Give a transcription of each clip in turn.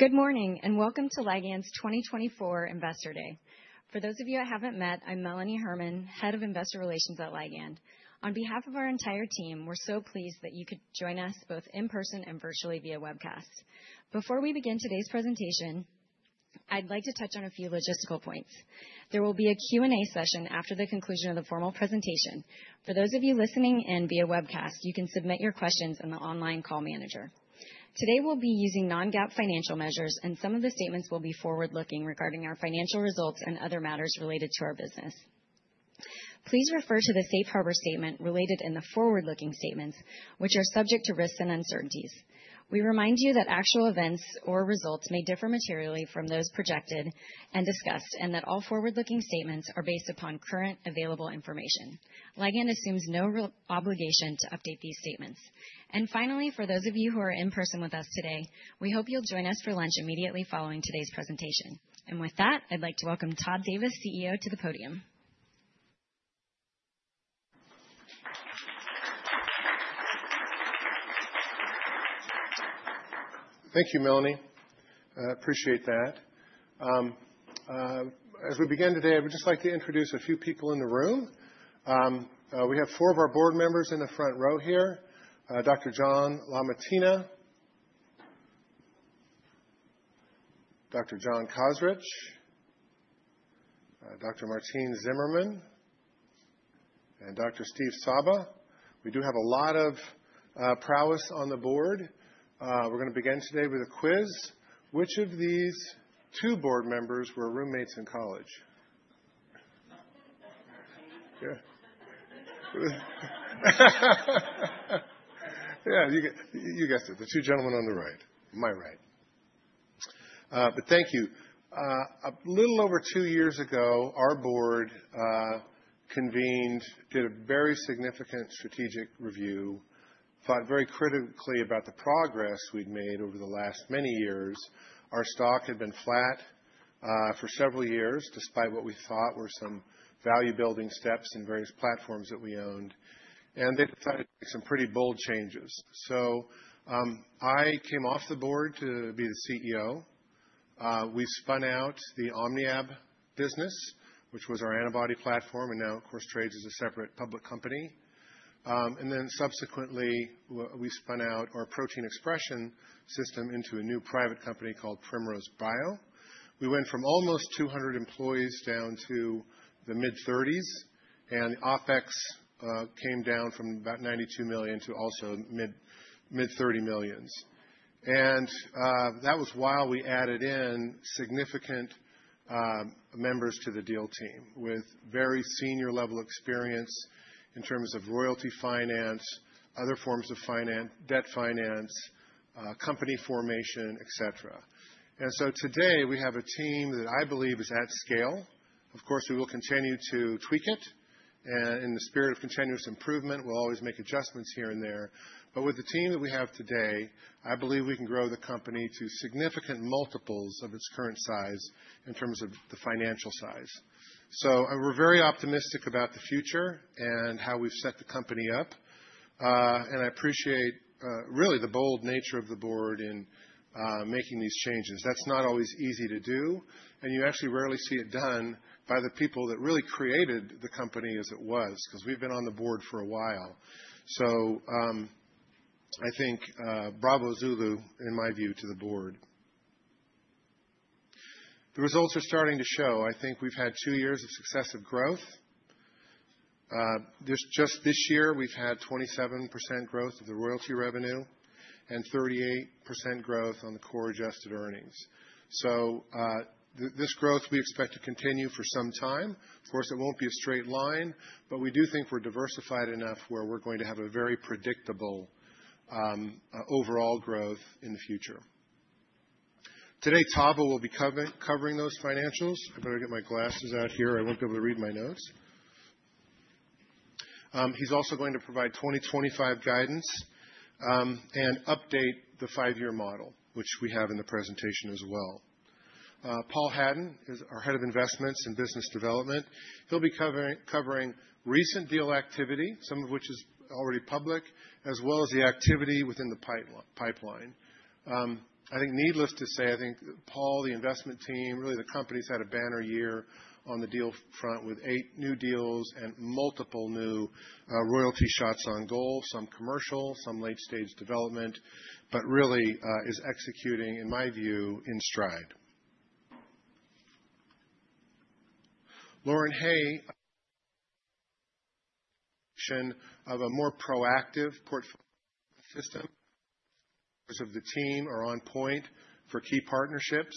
Good morning and welcome to Ligand's 2024 Investor Day. For those of you I haven't met, I'm Melanie Herman, Head of Investor Relations at Ligand. On behalf of our entire team, we're so pleased that you could join us both in person and virtually via webcast. Before we begin today's presentation, I'd like to touch on a few logistical points. There will be a Q&A session after the conclusion of the formal presentation. For those of you listening in via webcast, you can submit your questions in the online call manager. Today we'll be using non-GAAP financial measures, and some of the statements will be forward-looking regarding our financial results and other matters related to our business. Please refer to the Safe Harbor statement related in the forward-looking statements, which are subject to risks and uncertainties. We remind you that actual events or results may differ materially from those projected and discussed, and that all forward-looking statements are based upon current available information. Ligand assumes no obligation to update these statements. And finally, for those of you who are in person with us today, we hope you'll join us for lunch immediately following today's presentation. And with that, I'd like to welcome Todd Davis, CEO, to the podium. Thank you, Melanie. I appreciate that. As we begin today, I would just like to introduce a few people in the room. We have four of our board members in the front row here: Dr. John LaMattina, Dr. John Kozarich, Dr. Martine Zimmermann, and Dr. Stephen Sabba. We do have a lot of prowess on the board. We're going to begin today with a quiz. Which of these two board members were roommates in college? Yeah, you guessed it. The two gentlemen on the right, my right. But thank you. A little over two years ago, our board convened, did a very significant strategic review, thought very critically about the progress we'd made over the last many years. Our stock had been flat for several years, despite what we thought were some value-building steps in various platforms that we owned, and they decided to make some pretty bold changes. I came off the board to be the CEO. We spun out the OmniAb business, which was our antibody platform and now, of course, trades as a separate public company. And then subsequently, we spun out our protein expression system into a new private company called Primrose Bio. We went from almost 200 employees down to the mid-30s, and OpEx came down from about $92 million to also mid-$30 millions. And that was while we added in significant members to the deal team with very senior level experience in terms of royalty finance, other forms of finance, debt finance, company formation, et cetera. And so today we have a team that I believe is at scale. Of course, we will continue to tweak it. And in the spirit of continuous improvement, we'll always make adjustments here and there. But with the team that we have today, I believe we can grow the company to significant multiples of its current size in terms of the financial size. So we're very optimistic about the future and how we've set the company up. And I appreciate really the bold nature of the board in making these changes. That's not always easy to do, and you actually rarely see it done by the people that really created the company as it was, because we've been on the board for a while. So I think bravo zulu, in my view, to the board. The results are starting to show. I think we've had two years of successive growth. Just this year, we've had 27% growth of the royalty revenue and 38% growth on the core adjusted earnings. So this growth we expect to continue for some time. Of course, it won't be a straight line, but we do think we're diversified enough where we're going to have a very predictable overall growth in the future. Today, Tavo will be covering those financials. I better get my glasses out here. I won't be able to read my notes. He's also going to provide 2025 guidance and update the five-year model, which we have in the presentation as well. Paul Hadden is our Head of Investments and Business Development. He'll be covering recent deal activity, some of which is already public, as well as the activity within the pipeline. I think needless to say, I think Paul, the investment team, really the company's had a banner year on the deal front with eight new deals and multiple new royalty shots on goal, some commercial, some late-stage development, but really is executing, in my view, in stride. Lauren Hay [leads/oversees] a more proactive portfolio system, of course, of the team are on point for key partnerships.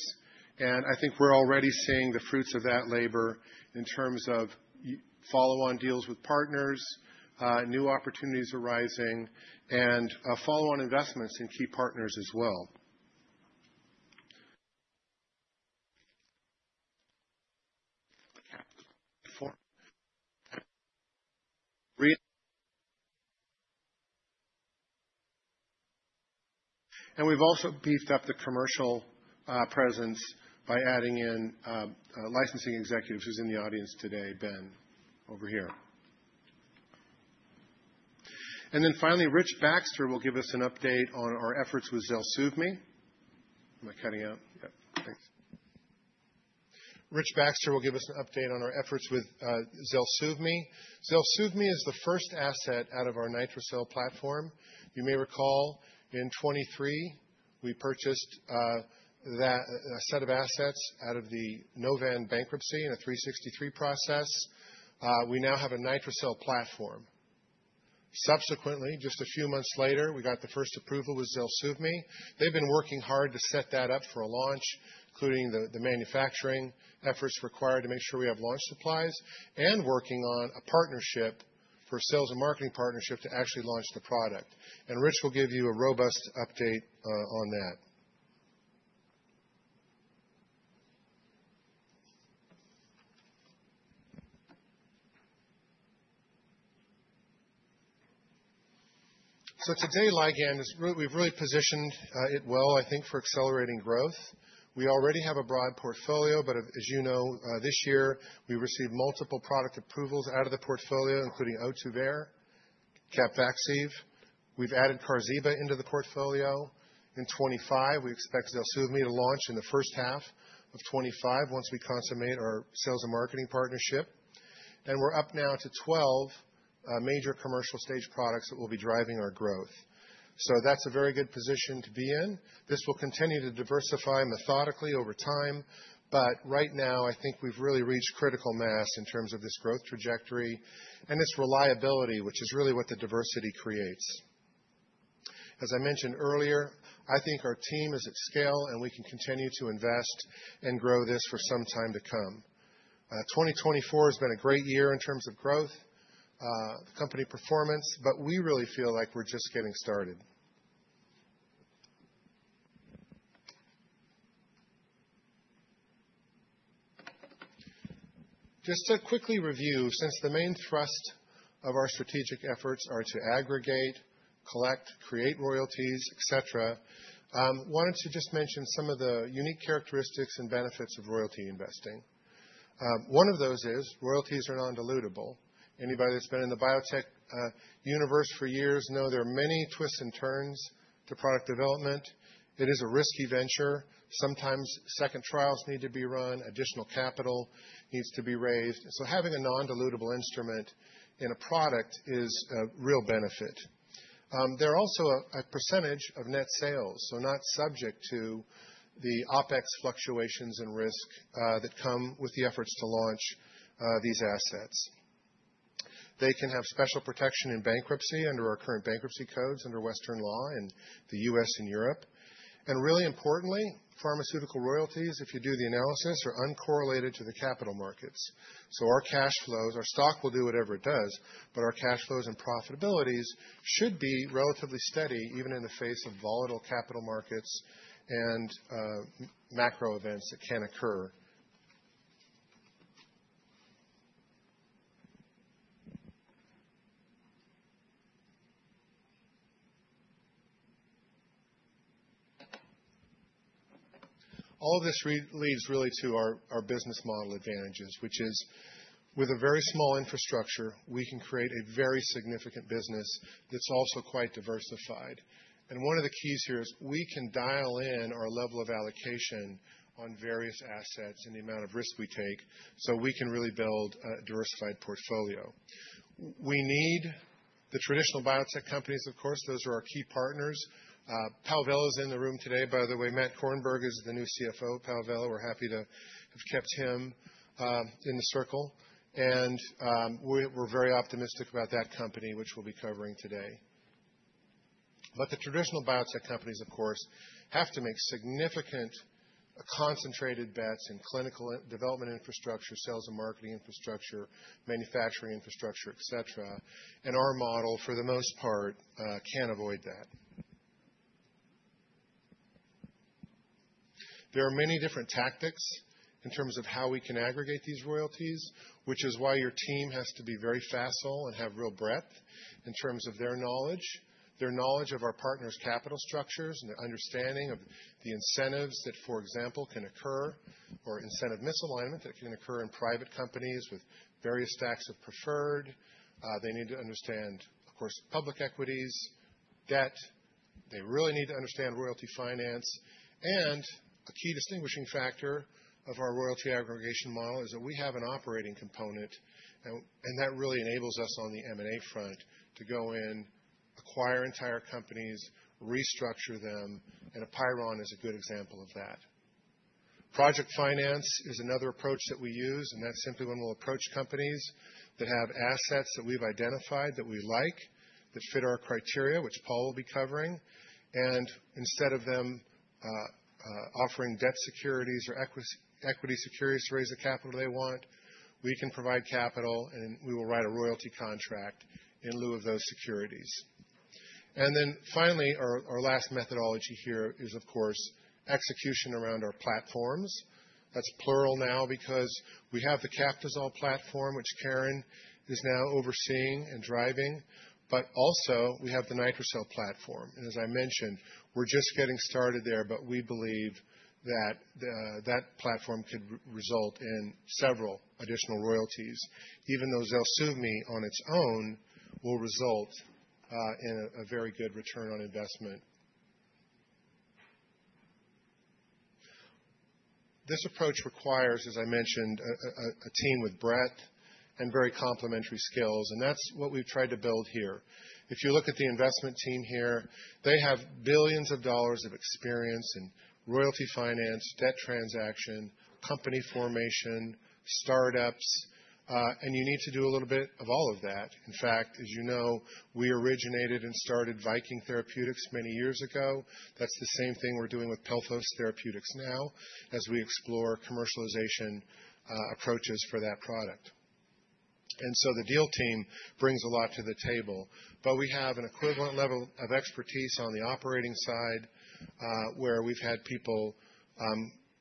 And I think we're already seeing the fruits of that labor in terms of follow-on deals with partners, new opportunities arising, and follow-on investments in key partners as well. And we've also beefed up the commercial presence by adding in licensing executives who's in the audience today, Ben, over here. And then finally, Rich Baxter will give us an update on our efforts with ZELSUVMI. Am I cutting out? Yep, thanks. Rich Baxter will give us an update on our efforts with ZELSUVMI. ZELSUVMI is the first asset out of our NITRICIL platform. You may recall in 2023 we purchased a set of assets out of the Novan bankruptcy in a 363 process. We now have a NITRICIL platform. Subsequently, just a few months later, we got the first approval with ZELSUVMI. They've been working hard to set that up for a launch, including the manufacturing efforts required to make sure we have launch supplies, and working on a partnership for sales and marketing partnership to actually launch the product. And Rich will give you a robust update on that. So today, Ligand, we've really positioned it well, I think, for accelerating growth. We already have a broad portfolio, but as you know, this year we received multiple product approvals out of the portfolio, including Ohtuvayre, CAPVAXIVE. We've added QARZIBA into the portfolio. In 2025, we expect ZELSUVMI to launch in the first half of 2025 once we consummate our sales and marketing partnership. And we're up now to 12 major commercial stage products that will be driving our growth. So that's a very good position to be in. This will continue to diversify methodically over time, but right now I think we've really reached critical mass in terms of this growth trajectory and its reliability, which is really what the diversity creates. As I mentioned earlier, I think our team is at scale and we can continue to invest and grow this for some time to come. 2024 has been a great year in terms of growth, company performance, but we really feel like we're just getting started. Just to quickly review, since the main thrust of our strategic efforts are to aggregate, collect, create royalties, et cetera, I wanted to just mention some of the unique characteristics and benefits of royalty investing. One of those is royalties are non-dilutable. Anybody that's been in the biotech universe for years knows there are many twists and turns to product development. It is a risky venture. Sometimes second trials need to be run. Additional capital needs to be raised. So having a non-dilutable instrument in a product is a real benefit. There are also a percentage of net sales, so not subject to the OpEx fluctuations and risk that come with the efforts to launch these assets. They can have special protection in bankruptcy under our current bankruptcy codes under western law in the U.S. and Europe. And really importantly, pharmaceutical royalties, if you do the analysis, are uncorrelated to the capital markets. So our cash flows, our stock will do whatever it does, but our cash flows and profitabilities should be relatively steady even in the face of volatile capital markets and macro events that can occur. All of this leads really to our business model advantages, which is with a very small infrastructure, we can create a very significant business that's also quite diversified. One of the keys here is we can dial in our level of allocation on various assets and the amount of risk we take so we can really build a diversified portfolio. We need the traditional biotech companies, of course. Those are our key partners. Palvella's in the room today, by the way. Matt Korenberg is the new CFO. Palvella, we're happy to have kept him in the circle. And we're very optimistic about that company, which we'll be covering today. But the traditional biotech companies, of course, have to make significant concentrated bets in clinical development infrastructure, sales and marketing infrastructure, manufacturing infrastructure, et cetera. And our model, for the most part, can avoid that. There are many different tactics in terms of how we can aggregate these royalties, which is why your team has to be very facile and have real breadth in terms of their knowledge, their knowledge of our partners' capital structures, and their understanding of the incentives that, for example, can occur or incentive misalignment that can occur in private companies with various stacks of preferred. They need to understand, of course, public equities, debt. They really need to understand royalty finance. And a key distinguishing factor of our royalty aggregation model is that we have an operating component, and that really enables us on the M&A front to go in, acquire entire companies, restructure them, and APEIRON is a good example of that. Project finance is another approach that we use, and that's simply when we'll approach companies that have assets that we've identified that we like that fit our criteria, which Paul will be covering, and instead of them offering debt securities or equity securities to raise the capital they want, we can provide capital, and we will write a royalty contract in lieu of those securities. And then finally, our last methodology here is, of course, execution around our platforms. That's plural now because we have the Captisol platform, which Karen is now overseeing and driving, but also we have the NITRICIL platform. And as I mentioned, we're just getting started there, but we believe that that platform could result in several additional royalties, even though ZELSUVMI on its own will result in a very good return on investment. This approach requires, as I mentioned, a team with breadth and very complementary skills, and that's what we've tried to build here. If you look at the investment team here, they have billions of dollars of experience in royalty finance, debt transaction, company formation, startups, and you need to do a little bit of all of that. In fact, as you know, we originated and started Viking Therapeutics many years ago. That's the same thing we're doing with Pelthos Therapeutics now as we explore commercialization approaches for that product. And so the deal team brings a lot to the table, but we have an equivalent level of expertise on the operating side where we've had people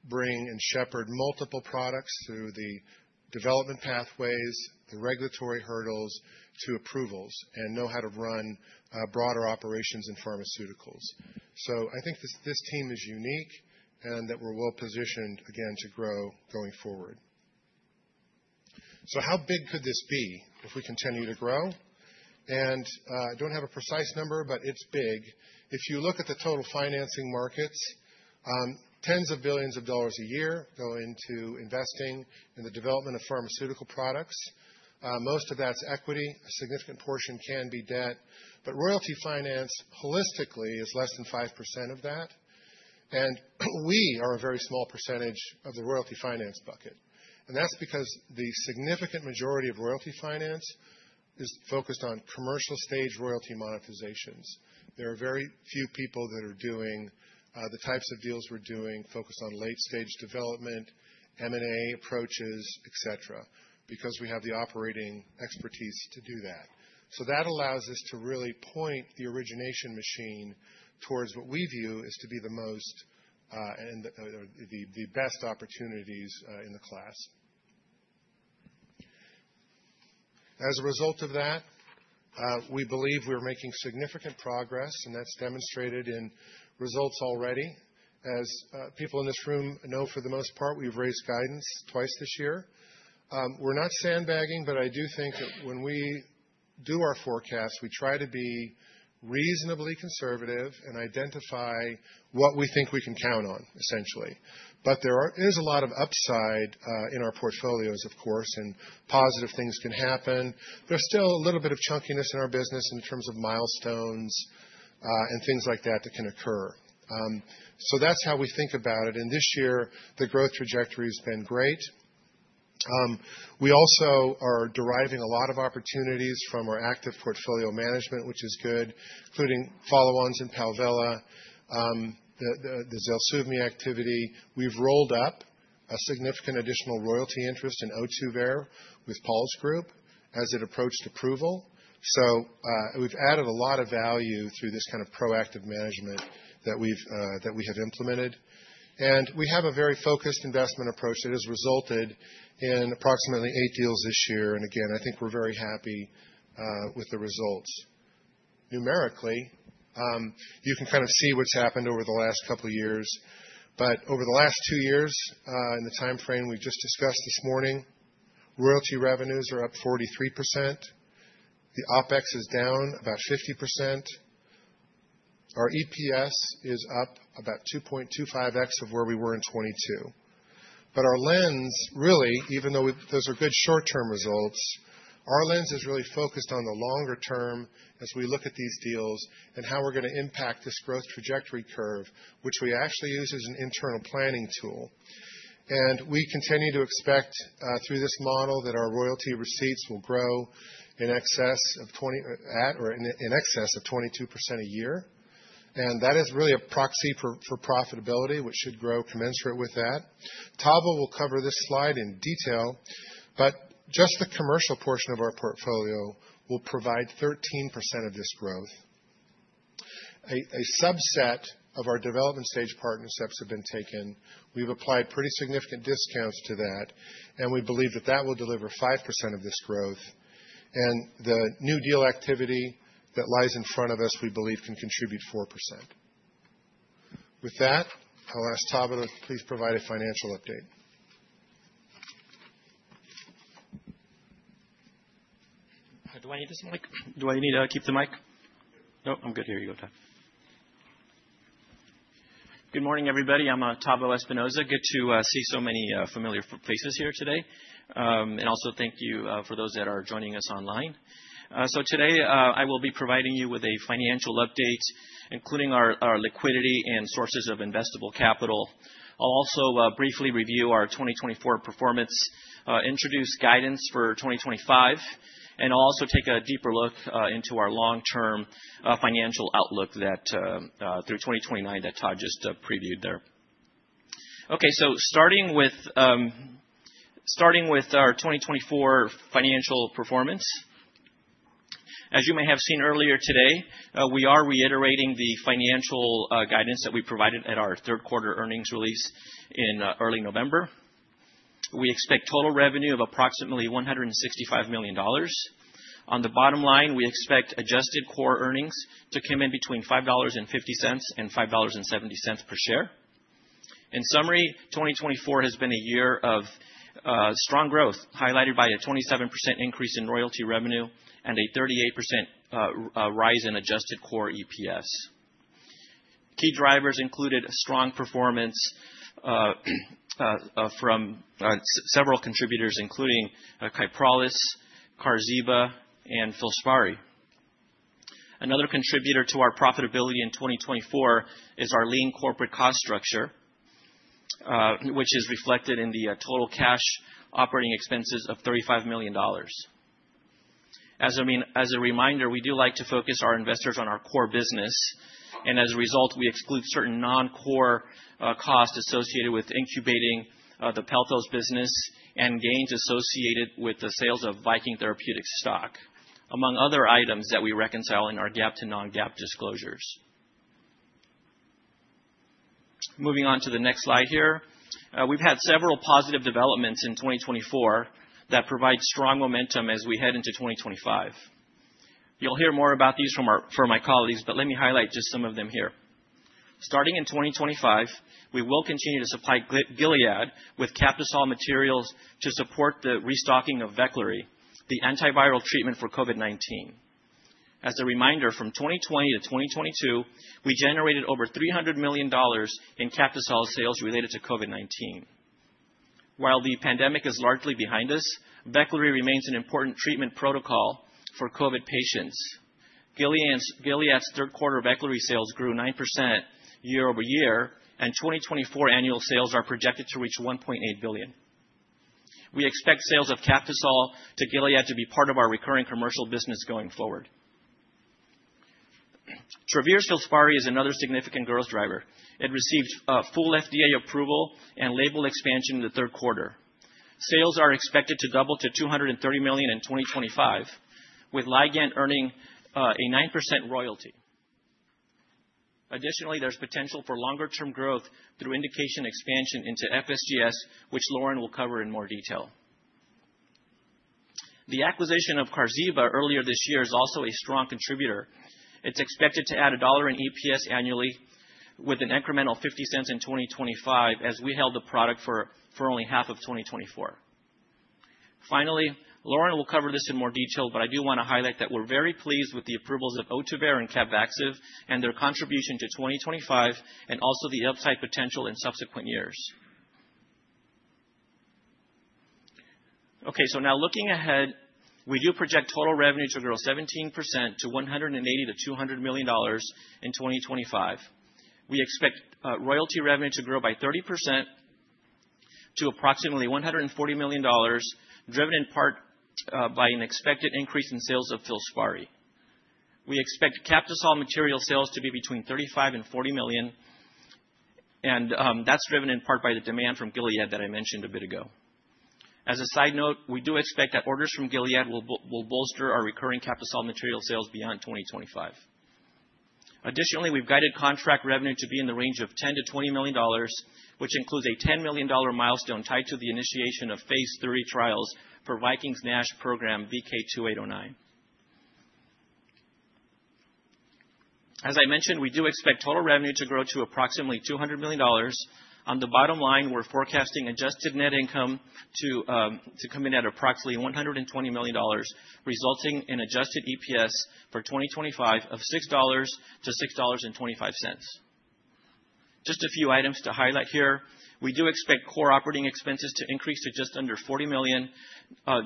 bring and shepherd multiple products through the development pathways, the regulatory hurdles to approvals, and know how to run broader operations in pharmaceuticals. So I think this team is unique and that we're well positioned, again, to grow going forward. So how big could this be if we continue to grow? And I don't have a precise number, but it's big. If you look at the total financing markets, tens of billions of dollars a year go into investing in the development of pharmaceutical products. Most of that's equity. A significant portion can be debt, but royalty finance holistically is less than 5% of that. And we are a very small percentage of the royalty finance bucket. And that's because the significant majority of royalty finance is focused on commercial stage royalty monetizations. There are very few people that are doing the types of deals we're doing focused on late-stage development, M&A approaches, et cetera, because we have the operating expertise to do that. That allows us to really point the origination machine towards what we view as to be the most and the best opportunities in the class. As a result of that, we believe we're making significant progress, and that's demonstrated in results already. As people in this room know, for the most part, we've raised guidance twice this year. We're not sandbagging, but I do think that when we do our forecasts, we try to be reasonably conservative and identify what we think we can count on, essentially. But there is a lot of upside in our portfolios, of course, and positive things can happen. There's still a little bit of chunkiness in our business in terms of milestones and things like that that can occur. That's how we think about it. This year, the growth trajectory has been great. We also are deriving a lot of opportunities from our active portfolio management, which is good, including follow-ons in Palvella, the ZELSUVMI activity. We've rolled up a significant additional royalty interest in Ohtuvayre with Paul's group as it approached approval. We've added a lot of value through this kind of proactive management that we have implemented. We have a very focused investment approach that has resulted in approximately eight deals this year. Again, I think we're very happy with the results. Numerically, you can kind of see what's happened over the last couple of years. Over the last two years in the timeframe we just discussed this morning, royalty revenues are up 43%. The OpEx is down about 50%. Our EPS is up about 2.25x of where we were in 2022. But our lens, really, even though those are good short-term results, our lens is really focused on the longer term as we look at these deals and how we're going to impact this growth trajectory curve, which we actually use as an internal planning tool. And we continue to expect through this model that our royalty receipts will grow in excess of 20% or in excess of 22% a year. And that is really a proxy for profitability, which should grow commensurate with that. Tavo will cover this slide in detail, but just the commercial portion of our portfolio will provide 13% of this growth. A subset of our development stage partnerships have been taken. We've applied pretty significant discounts to that, and we believe that that will deliver 5% of this growth. And the new deal activity that lies in front of us, we believe, can contribute 4%. With that, I'll ask Tavo to please provide a financial update. Do I need this mic? Do I need to keep the mic? No, I'm good. Here you go. Good morning, everybody. I'm Tavo Espinoza. Good to see so many familiar faces here today. And also thank you for those that are joining us online. So today, I will be providing you with a financial update, including our liquidity and sources of investable capital. I'll also briefly review our 2024 performance, introduce guidance for 2025, and I'll also take a deeper look into our long-term financial outlook through 2029 that Todd just previewed there. Okay, so starting with our 2024 financial performance, as you may have seen earlier today, we are reiterating the financial guidance that we provided at our third quarter earnings release in early November. We expect total revenue of approximately $165 million. On the bottom line, we expect adjusted core earnings to come in between $5.50 and $5.70 per share. In summary, 2024 has been a year of strong growth, highlighted by a 27% increase in royalty revenue and a 38% rise in adjusted core EPS. Key drivers included strong performance from several contributors, including KYPROLIS, QARZIBA, and FILSPARI. Another contributor to our profitability in 2024 is our lean corporate cost structure, which is reflected in the total cash operating expenses of $35 million. As a reminder, we do like to focus our investors on our core business, and as a result, we exclude certain non-core costs associated with incubating the Pelthos business and gains associated with the sales of Viking Therapeutics stock, among other items that we reconcile in our GAAP to non-GAAP disclosures. Moving on to the next slide here, we've had several positive developments in 2024 that provide strong momentum as we head into 2025. You'll hear more about these from my colleagues, but let me highlight just some of them here. Starting in 2025, we will continue to supply Gilead with Captisol materials to support the restocking of Veklury, the antiviral treatment for COVID-19. As a reminder, from 2020 to 2022, we generated over $300 million in Captisol sales related to COVID-19. While the pandemic is largely behind us, Veklury remains an important treatment protocol for COVID patients. Gilead's third quarter Veklury sales grew 9% year-over-year, and 2024 annual sales are projected to reach $1.8 billion. We expect sales of Captisol to Gilead to be part of our recurring commercial business going forward. Travere's FILSPARI is another significant growth driver. It received full FDA approval and label expansion in the third quarter. Sales are expected to double to $230 million in 2025, with Ligand earning a 9% royalty. Additionally, there's potential for longer-term growth through indication expansion into FSGS, which Lauren will cover in more detail. The acquisition of QARZIBA earlier this year is also a strong contributor. It's expected to add a dollar in EPS annually with an incremental $0.50 in 2025, as we held the product for only half of 2024. Finally, Lauren will cover this in more detail, but I do want to highlight that we're very pleased with the approvals of Ohtuvayre and CAPVAXIVE and their contribution to 2025 and also the upside potential in subsequent years. Okay, so now looking ahead, we do project total revenue to grow 17% to $180 million-$200 million in 2025. We expect royalty revenue to grow by 30% to approximately $140 million, driven in part by an expected increase in sales of FILSPARI. We expect Captisol material sales to be between $35 million and $40 million, and that's driven in part by the demand from Gilead that I mentioned a bit ago. As a side note, we do expect that orders from Gilead will bolster our recurring Captisol material sales beyond 2025. Additionally, we've guided contract revenue to be in the range of $10 million-$20 million, which includes a $10 million milestone tied to the initiation of phase three trials for Viking's NASH program VK2809. As I mentioned, we do expect total revenue to grow to approximately $200 million. On the bottom line, we're forecasting adjusted net income to come in at approximately $120 million, resulting in adjusted EPS for 2025 of $6-$6.25. Just a few items to highlight here. We do expect core operating expenses to increase to just under $40 million,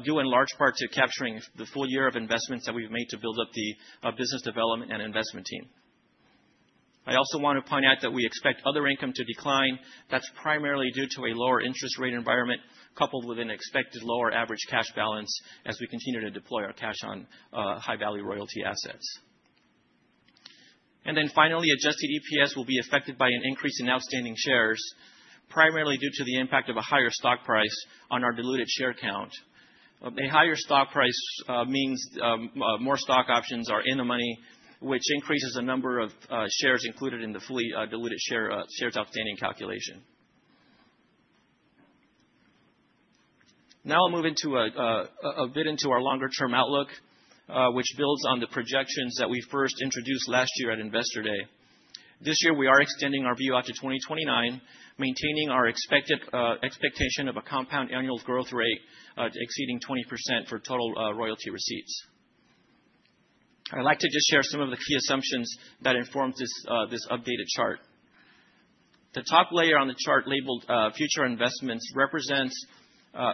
due in large part to capturing the full year of investments that we've made to build up the business development and investment team. I also want to point out that we expect other income to decline. That's primarily due to a lower interest rate environment coupled with an expected lower average cash balance as we continue to deploy our cash on high-value royalty assets. And then finally, adjusted EPS will be affected by an increase in outstanding shares, primarily due to the impact of a higher stock price on our diluted share count. A higher stock price means more stock options are in the money, which increases the number of shares included in the fully diluted shares outstanding calculation. Now I'll move a bit into our longer-term outlook, which builds on the projections that we first introduced last year at Investor Day. This year, we are extending our view out to 2029, maintaining our expectation of a compound annual growth rate exceeding 20% for total royalty receipts. I'd like to just share some of the key assumptions that inform this updated chart. The top layer on the chart labeled Future Investments represents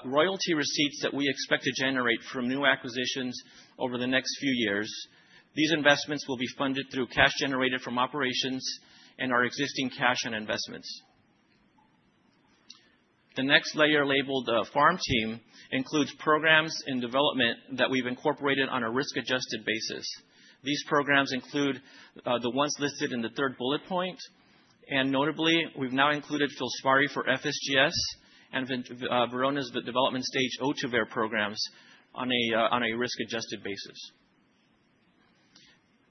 royalty receipts that we expect to generate from new acquisitions over the next few years. These investments will be funded through cash generated from operations and our existing cash and investments. The next layer labeled Farm Team includes programs in development that we've incorporated on a risk-adjusted basis. These programs include the ones listed in the third bullet point, and notably, we've now included FILSPARI for FSGS and Verona's development stage Ohtuvayre programs on a risk-adjusted basis.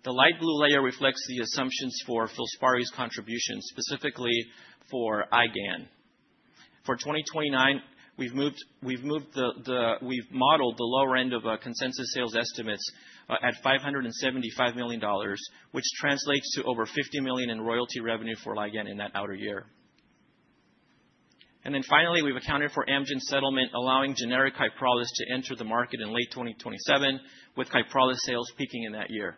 The light blue layer reflects the assumptions for FILSPARI‘s contributions, specifically for IgAN. For 2029, we've modeled the lower end of consensus sales estimates at $575 million, which translates to over $50 million in royalty revenue for Ligand in that outer year. And then finally, we've accounted for Amgen's settlement, allowing generic Kyprolis to enter the market in late 2027, with KYPROLIS sales peaking in that year.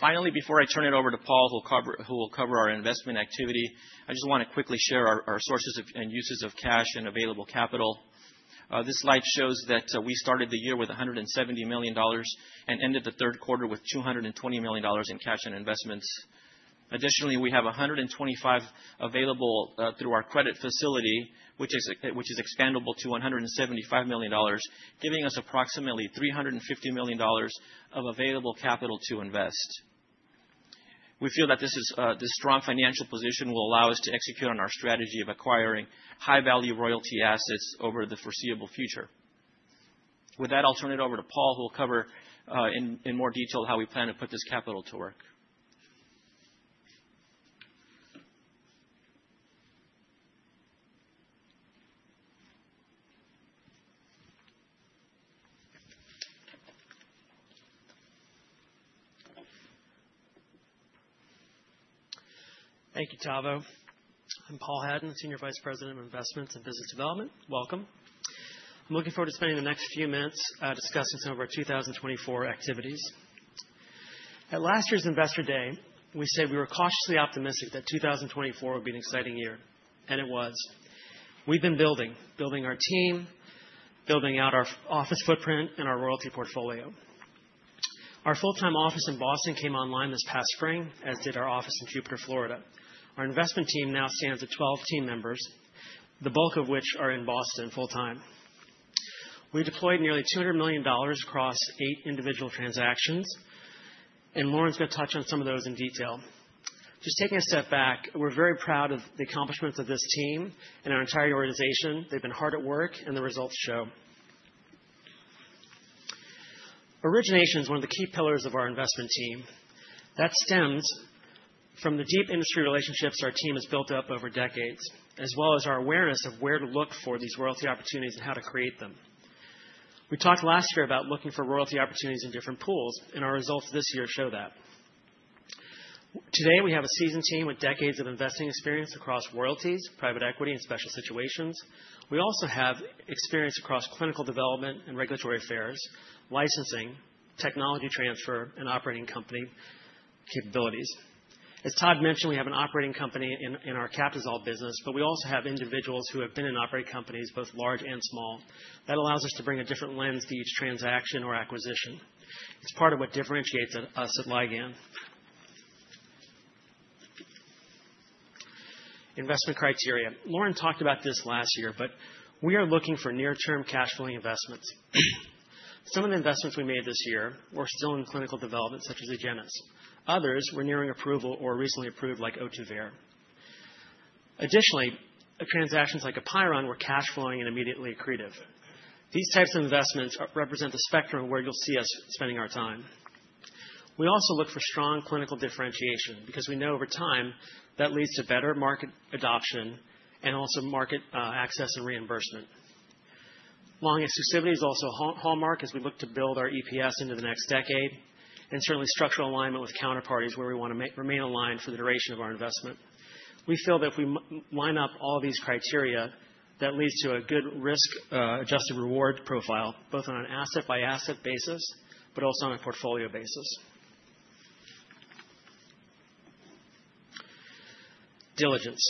Finally, before I turn it over to Paul, who will cover our investment activity, I just want to quickly share our sources and uses of cash and available capital. This slide shows that we started the year with $170 million and ended the third quarter with $220 million in cash and investments. Additionally, we have $125 million available through our credit facility, which is expandable to $175 million, giving us approximately $350 million of available capital to invest. We feel that this strong financial position will allow us to execute on our strategy of acquiring high-value royalty assets over the foreseeable future. With that, I'll turn it over to Paul, who will cover in more detail how we plan to put this capital to work. Thank you, Tavo. I'm Paul Hadden, Senior Vice President of Investments and Business Development. Welcome. I'm looking forward to spending the next few minutes discussing some of our 2024 activities. At last year's Investor Day, we said we were cautiously optimistic that 2024 would be an exciting year, and it was. We've been building, building our team, building out our office footprint and our royalty portfolio. Our full-time office in Boston came online this past spring, as did our office in Jupiter, Florida. Our investment team now stands at 12 team members, the bulk of which are in Boston full-time. We deployed nearly $200 million across eight individual transactions, and Lauren's going to touch on some of those in detail. Just taking a step back, we're very proud of the accomplishments of this team and our entire organization. They've been hard at work, and the results show. Origination is one of the key pillars of our investment team. That stems from the deep industry relationships our team has built up over decades, as well as our awareness of where to look for these royalty opportunities and how to create them. We talked last year about looking for royalty opportunities in different pools, and our results this year show that. Today, we have a seasoned team with decades of investing experience across royalties, private equity, and special situations. We also have experience across clinical development and regulatory affairs, licensing, technology transfer, and operating company capabilities. As Tavo mentioned, we have an operating company in our Captisol business, but we also have individuals who have been in operating companies, both large and small. That allows us to bring a different lens to each transaction or acquisition. It's part of what differentiates us at Ligand. Investment criteria. Lauren talked about this last year, but we are looking for near-term cash-flowing investments. Some of the investments we made this year were still in clinical development, such as Agenus. Others were nearing approval or recently approved, like Ohtuvayre. Additionally, transactions like APEIRON were cash-flowing and immediately accretive. These types of investments represent the spectrum of where you'll see us spending our time. We also look for strong clinical differentiation because we know over time that leads to better market adoption and also market access and reimbursement. Long exclusivity is also a hallmark as we look to build our EPS into the next decade and certainly structural alignment with counterparties where we want to remain aligned for the duration of our investment. We feel that if we line up all these criteria, that leads to a good risk-adjusted reward profile, both on an asset-by-asset basis, but also on a portfolio basis. Diligence.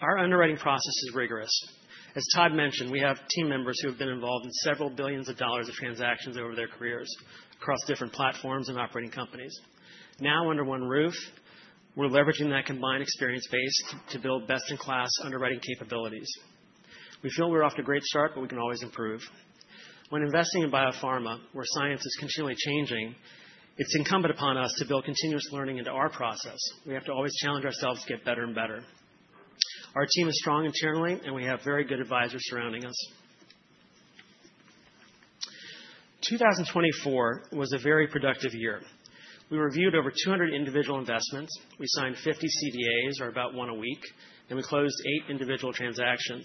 Our underwriting process is rigorous. As Tavo mentioned, we have team members who have been involved in several billions of dollars of transactions over their careers across different platforms and operating companies. Now under one roof, we're leveraging that combined experience base to build best-in-class underwriting capabilities. We feel we're off to a great start, but we can always improve. When investing in biopharma, where science is continually changing, it's incumbent upon us to build continuous learning into our process. We have to always challenge ourselves to get better and better. Our team is strong internally, and we have very good advisors surrounding us. 2024 was a very productive year. We reviewed over 200 individual investments. We signed 50 CDAs, or about one a week, and we closed eight individual transactions.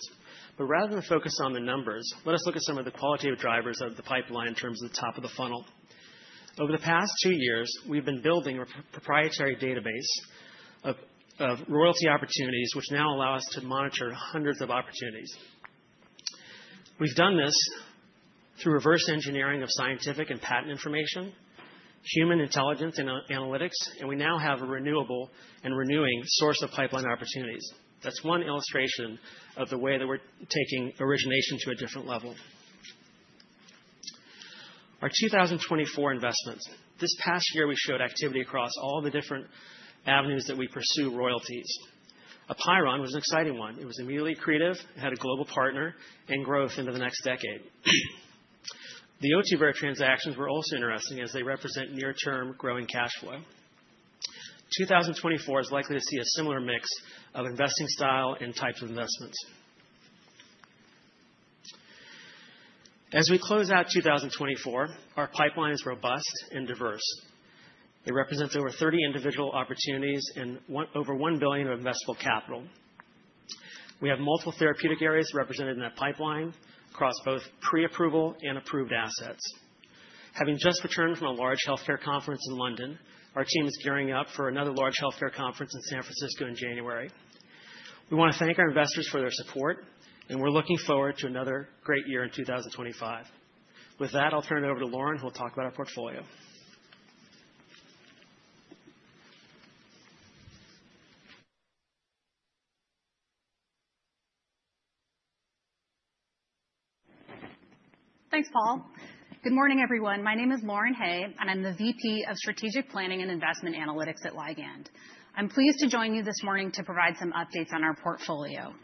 But rather than focus on the numbers, let us look at some of the qualitative drivers of the pipeline in terms of the top of the funnel. Over the past two years, we've been building a proprietary database of royalty opportunities, which now allow us to monitor hundreds of opportunities. We've done this through reverse engineering of scientific and patent information, human intelligence and analytics, and we now have a renewable and renewing source of pipeline opportunities. That's one illustration of the way that we're taking origination to a different level. Our 2024 investments. This past year, we showed activity across all the different avenues that we pursue royalties. APEIRON was an exciting one. It was immediately accretive. It had a global partner and growth into the next decade. The Ohtuvayre transactions were also interesting as they represent near-term growing cash flow. 2024 is likely to see a similar mix of investing style and types of investments. As we close out 2024, our pipeline is robust and diverse. It represents over 30 individual opportunities and over $1 billion of investable capital. We have multiple therapeutic areas represented in that pipeline across both pre-approval and approved assets. Having just returned from a large healthcare conference in London, our team is gearing up for another large healthcare conference in San Francisco in January. We want to thank our investors for their support, and we're looking forward to another great year in 2025. With that, I'll turn it over to Lauren, who will talk about our portfolio. Thanks, Paul. Good morning, everyone. My name is Lauren Hay, and I'm the VP of Strategic Planning and Investment Analytics at Ligand. I'm pleased to join you this morning to provide some updates on our portfolio.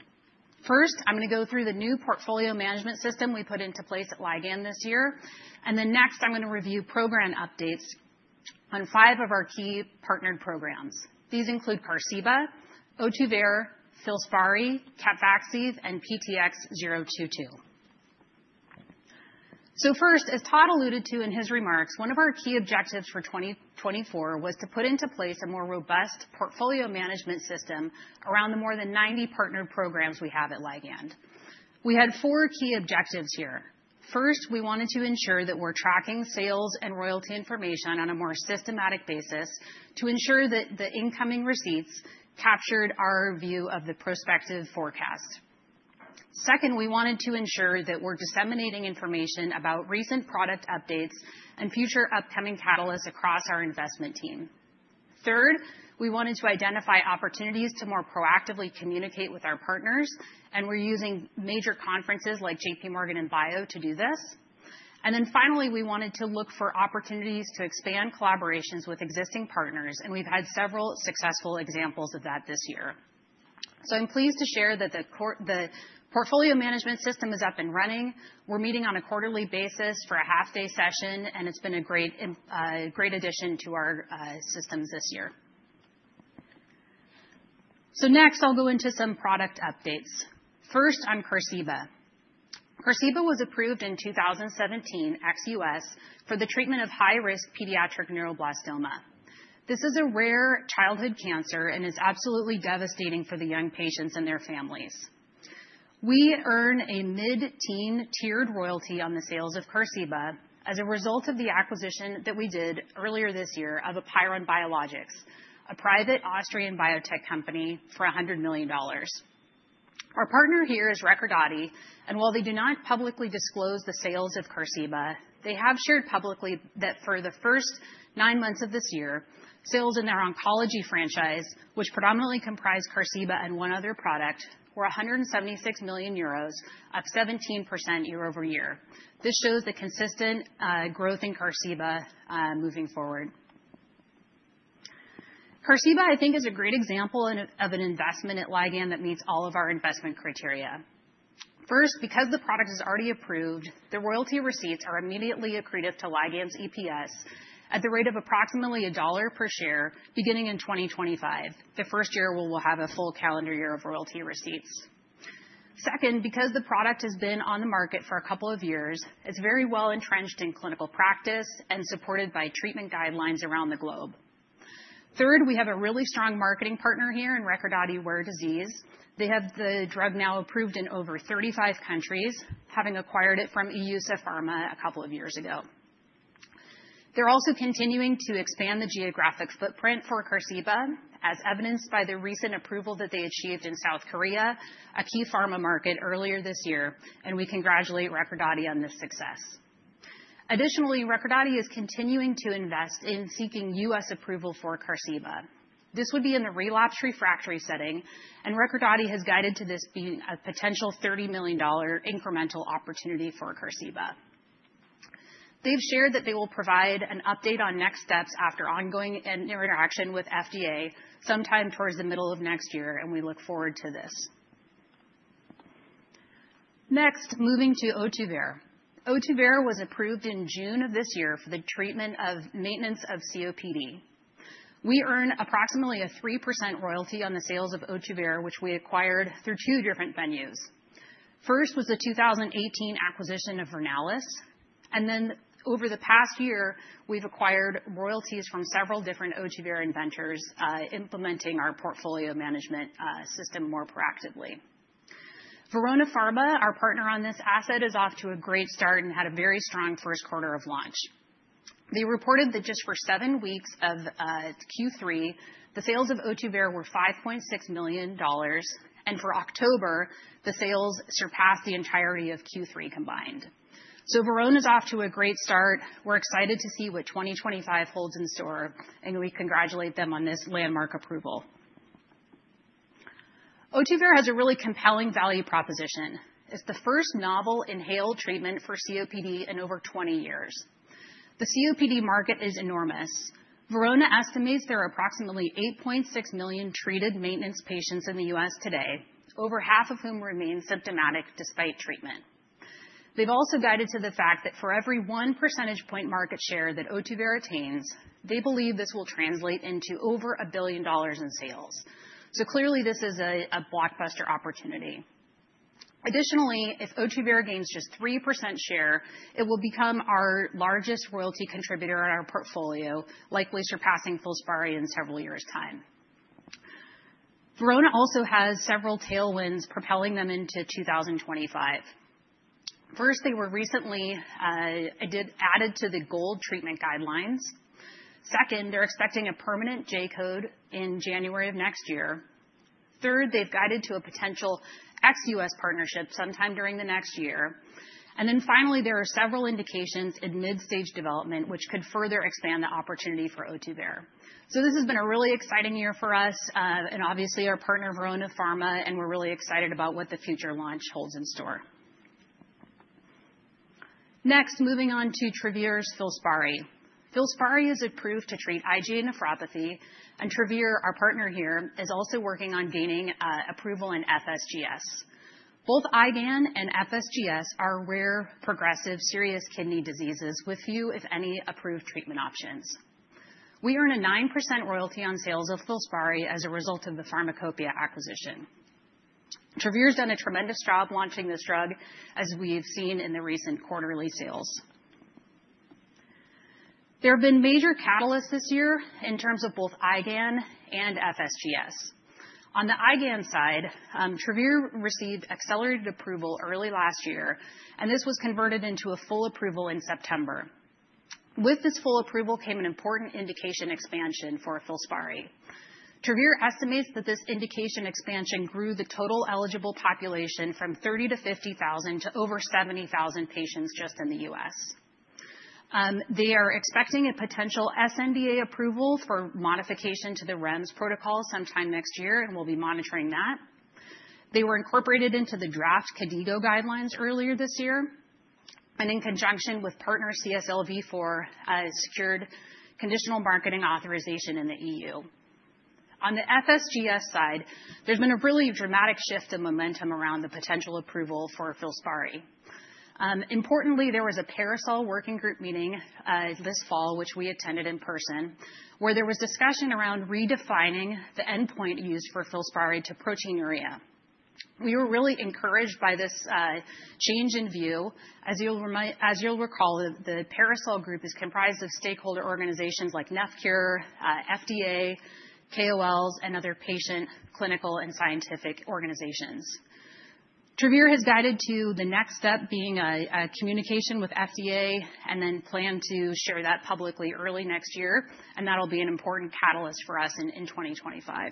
First, I'm going to go through the new portfolio management system we put into place at Ligand this year, and then next, I'm going to review program updates on five of our key partnered programs. These include QARZIBA, Ohtuvayre, FILSPARI, CAPVAXIVE, and PTX-022, so first, as Tavo alluded to in his remarks, one of our key objectives for 2024 was to put into place a more robust portfolio management system around the more than 90 partnered programs we have at Ligand. We had four key objectives here. First, we wanted to ensure that we're tracking sales and royalty information on a more systematic basis to ensure that the incoming receipts captured our view of the prospective forecast. Second, we wanted to ensure that we're disseminating information about recent product updates and future upcoming catalysts across our investment team. Third, we wanted to identify opportunities to more proactively communicate with our partners, and we're using major conferences like JPMorgan and BIO to do this. And then finally, we wanted to look for opportunities to expand collaborations with existing partners, and we've had several successful examples of that this year. So I'm pleased to share that the portfolio management system is up and running. We're meeting on a quarterly basis for a half-day session, and it's been a great addition to our systems this year. So next, I'll go into some product updates. First, on QARZIBA. QARZIBA was approved in 2017 ex-U.S. for the treatment of high-risk pediatric neuroblastoma. This is a rare childhood cancer and is absolutely devastating for the young patients and their families. We earn a mid-teen tiered royalty on the sales of QARZIBA as a result of the acquisition that we did earlier this year of APEIRON Biologics, a private Austrian biotech company for $100 million. Our partner here is Recordati, and while they do not publicly disclose the sales of QARZIBA, they have shared publicly that for the first nine months of this year, sales in their oncology franchise, which predominantly comprised QARZIBA and one other product, were 176 million euros, up 17% year-over-year. This shows the consistent growth in QARZIBA moving forward. QARZIBA, I think, is a great example of an investment at Ligand that meets all of our investment criteria. First, because the product is already approved, the royalty receipts are immediately accretive to Ligand's EPS at the rate of approximately $1 per share beginning in 2025, the first year we will have a full calendar year of royalty receipts. Second, because the product has been on the market for a couple of years, it's very well entrenched in clinical practice and supported by treatment guidelines around the globe. Third, we have a really strong marketing partner here in Recordati Rare Diseases. They have the drug now approved in over 35 countries, having acquired it from EUSA Pharma a couple of years ago. They're also continuing to expand the geographic footprint for QARZIBA, as evidenced by the recent approval that they achieved in South Korea, a key pharma market earlier this year, and we congratulate Recordati on this success. Additionally, Recordati is continuing to invest in seeking U.S. approval for QARZIBA. This would be in the relapse refractory setting, and Recordati has guided to this being a potential $30 million incremental opportunity for QARZIBA. They've shared that they will provide an update on next steps after ongoing interaction with FDA sometime towards the middle of next year, and we look forward to this. Next, moving to Ohtuvayre. Ohtuvayre was approved in June of this year for the treatment of maintenance of COPD. We earn approximately a 3% royalty on the sales of Ohtuvayre, which we acquired through two different avenues. First was the 2018 acquisition of Vernalis, and then over the past year, we've acquired royalties from several different Ohtuvayre inventors implementing our portfolio management system more proactively. Verona Pharma, our partner on this asset, is off to a great start and had a very strong first quarter of launch. They reported that just for seven weeks of Q3, the sales of Ohtuvayre were $5.6 million, and for October, the sales surpassed the entirety of Q3 combined. So Verona's off to a great start. We're excited to see what 2025 holds in store, and we congratulate them on this landmark approval. Ohtuvayre has a really compelling value proposition. It's the first novel inhaled treatment for COPD in over 20 years. The COPD market is enormous. Verona estimates there are approximately 8.6 million treated maintenance patients in the U.S. today, over half of whom remain symptomatic despite treatment. They've also guided to the fact that for every one percentage point market share that Ohtuvayre attains, they believe this will translate into over $1 billion in sales. So clearly, this is a blockbuster opportunity. Additionally, if Ohtuvayre gains just 3% share, it will become our largest royalty contributor in our portfolio, likely surpassing FILSPARI in several years' time. Verona also has several tailwinds propelling them into 2025. First, they were recently added to the gold treatment guidelines. Second, they're expecting a permanent J code in January of next year. Third, they've guided to a potential ex-U.S. partnership sometime during the next year. And then finally, there are several indications in mid-stage development which could further expand the opportunity for Ohtuvayre. So this has been a really exciting year for us and obviously our partner Verona Pharma, and we're really excited about what the future launch holds in store. Next, moving on to Travere's FILSPARI. FILSPARI is approved to treat IgA Nephropathy, and Travere, our partner here, is also working on gaining approval in FSGS. Both IgAN and FSGS are rare progressive serious kidney diseases with few, if any, approved treatment options. We earn a 9% royalty on sales of FILSPARI as a result of the Pharmacopoeia acquisition. Travere's done a tremendous job launching this drug, as we've seen in the recent quarterly sales. There have been major catalysts this year in terms of both IgAN and FSGS. On the IgAN side, Travere received accelerated approval early last year, and this was converted into a full approval in September. With this full approval came an important indication expansion for FILSPARI. Travere estimates that this indication expansion grew the total eligible population from 30,000 to 50,000 to over 70,000 patients just in the U.S. They are expecting a potential sNDA approval for modification to the REMS protocol sometime next year and will be monitoring that. They were incorporated into the draft KDIGO guidelines earlier this year and in conjunction with partner CSL Vifor for a secured conditional marketing authorization in the EU. On the FSGS side, there's been a really dramatic shift in momentum around the potential approval for FILSPARI. Importantly, there was a PARASOL working group meeting this fall, which we attended in person, where there was discussion around redefining the endpoint used for FILSPARI to proteinuria. We were really encouraged by this change in view. As you'll recall, the PARASOL Group is comprised of stakeholder organizations like NephCure, FDA, KOLs, and other patient clinical and scientific organizations. Travere has guided to the next step being a communication with FDA and then plan to share that publicly early next year, and that'll be an important catalyst for us in 2025.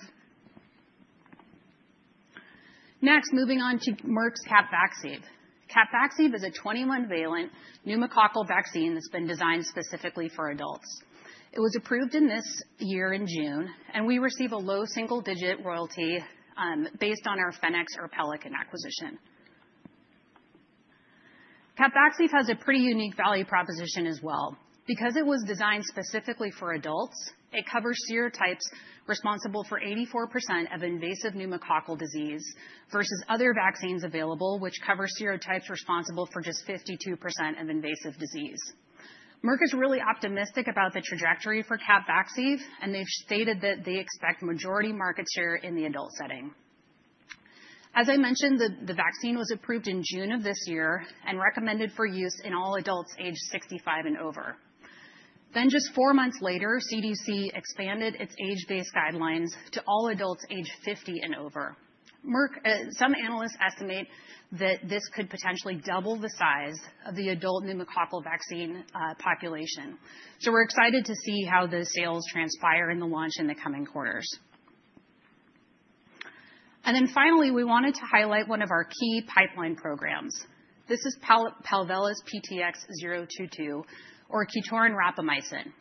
Next, moving on to Merck's CAPVAXIVE. CAPVAXIVE is a 21-valent pneumococcal vaccine that's been designed specifically for adults. It was approved in this year in June, and we receive a low single-digit royalty based on our Pfenex or Pelican acquisition. CAPVAXIVE has a pretty unique value proposition as well. Because it was designed specifically for adults, it covers serotypes responsible for 84% of invasive pneumococcal disease versus other vaccines available, which cover serotypes responsible for just 52% of invasive disease. Merck is really optimistic about the trajectory for CAPVAXIVE, and they've stated that they expect majority market share in the adult setting. As I mentioned, the vaccine was approved in June of this year and recommended for use in all adults aged 65 and over. Then just four months later, CDC expanded its age-based guidelines to all adults aged 50 and over. Some analysts estimate that this could potentially double the size of the adult pneumococcal vaccine population. So we're excited to see how the sales transpire in the launch in the coming quarters, and then finally, we wanted to highlight one of our key pipeline programs. This is Palvella’s PTX-022, or QTORIN rapamycin.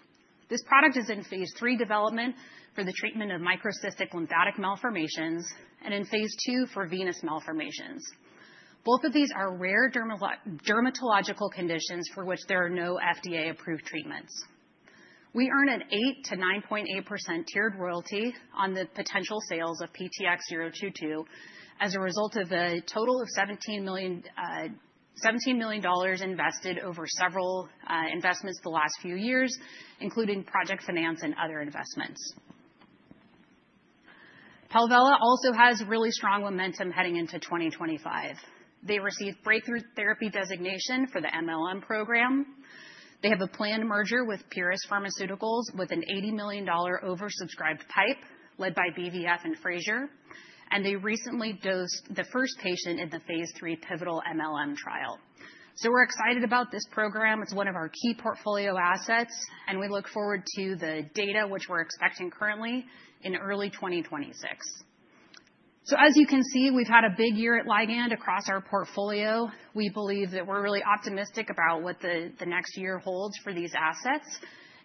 This product is in phase III development for the treatment of microcystic lymphatic malformations and in phase III for venous malformations. Both of these are rare dermatological conditions for which there are no FDA-approved treatments. We earn an 8%-9.8% tiered royalty on the potential sales of PTX-022 as a result of a total of $17 million invested over several investments the last few years, including project finance and other investments. Palvella also has really strong momentum heading into 2025. They received breakthrough therapy designation for the MLM program. They have a planned merger with Pieris Pharmaceuticals with an $80 million oversubscribed pipe led by BVF and Frazier, and they recently dosed the first patient in the phase III pivotal MLM trial, so we're excited about this program. It's one of our key portfolio assets, and we look forward to the data, which we're expecting currently in early 2026, so as you can see, we've had a big year at Ligand across our portfolio. We believe that we're really optimistic about what the next year holds for these assets,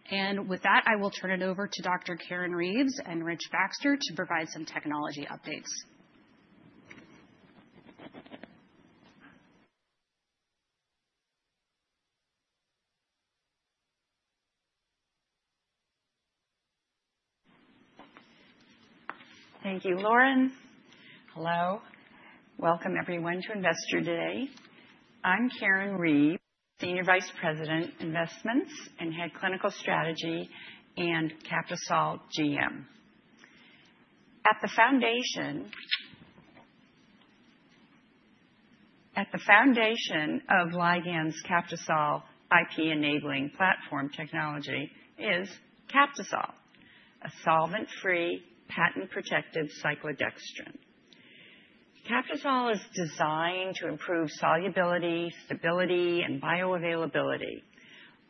and with that, I will turn it over to Dr. Karen Reeves and Rich Baxter to provide some technology updates. Thank you, Lauren. Hello. Welcome, everyone, to Investor Day. I'm Karen Reeves, Senior Vice President Investments and Head Clinical Strategy and Captisol GM. At the foundation of Ligand's Captisol IP enabling platform technology is Captisol, a solvent-free, patent-protected cyclodextrin. Captisol is designed to improve solubility, stability, and bioavailability,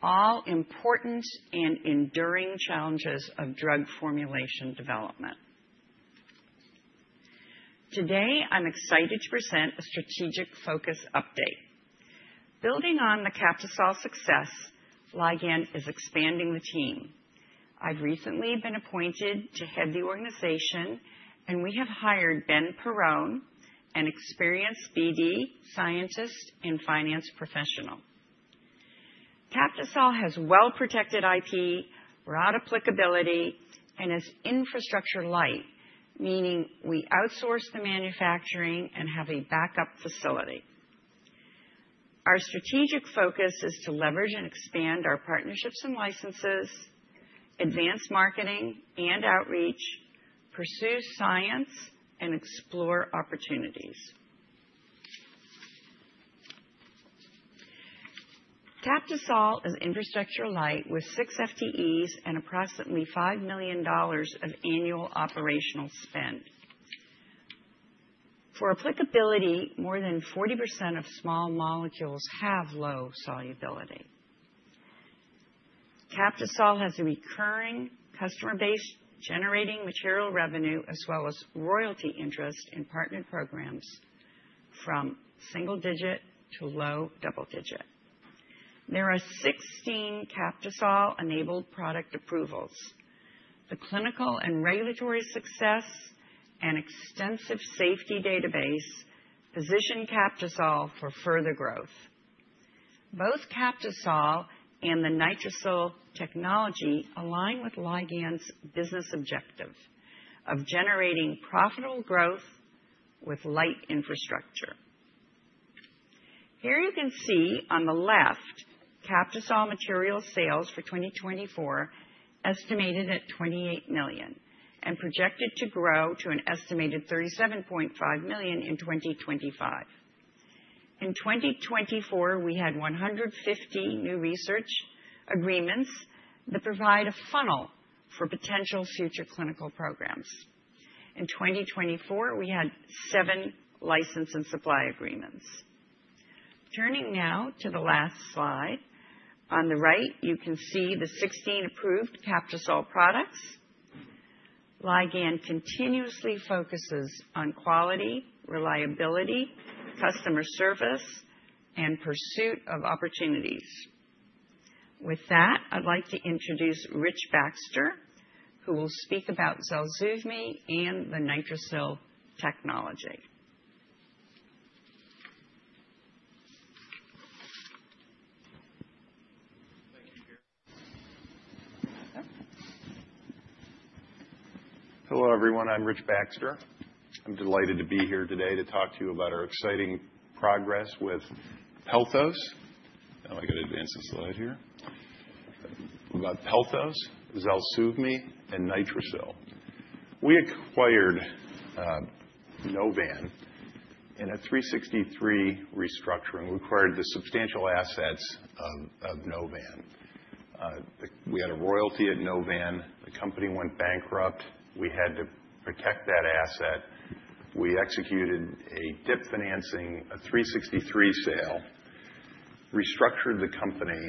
all important and enduring challenges of drug formulation development. Today, I'm excited to present a strategic focus update. Building on the Captisol success, Ligand is expanding the team. I've recently been appointed to head the organization, and we have hired Ben Perrone, an experienced BD scientist and finance professional. Captisol has well-protected IP, broad applicability, and is infrastructure light, meaning we outsource the manufacturing and have a backup facility. Our strategic focus is to leverage and expand our partnerships and licenses, advance marketing and outreach, pursue science, and explore opportunities. Captisol is infrastructure light with six FTEs and approximately $5 million of annual operational spend. For applicability, more than 40% of small molecules have low solubility. Captisol has a recurring customer base generating material revenue as well as royalty interest in partnered programs from single-digit to low double-digit. There are 16 Captisol-enabled product approvals. The clinical and regulatory success and extensive safety database position Captisol for further growth. Both Captisol and the NITRICIL technology align with Ligand's business objective of generating profitable growth with light infrastructure. Here you can see on the left Captisol material sales for 2024 estimated at $28 million and projected to grow to an estimated $37.5 million in 2025. In 2024, we had 150 new research agreements that provide a funnel for potential future clinical programs. In 2024, we had seven license and supply agreements. Turning now to the last slide, on the right, you can see the 16 approved Captisol products. Ligand continuously focuses on quality, reliability, customer service, and pursuit of opportunities. With that, I'd like to introduce Rich Baxter, who will speak about ZELSUVMI and the NITRICIL technology. Hello, everyone. I'm Rich Baxter. I'm delighted to be here today to talk to you about our exciting progress with Pelthos. Now I got to advance the slide here about Pelthos, ZELSUVMI, and NITRICIL. We acquired Novan in a 363 restructuring. We acquired the substantial assets of Novan. We had a royalty at Novan. The company went bankrupt. We had to protect that asset. We executed a DIP financing, a 363 sale, restructured the company,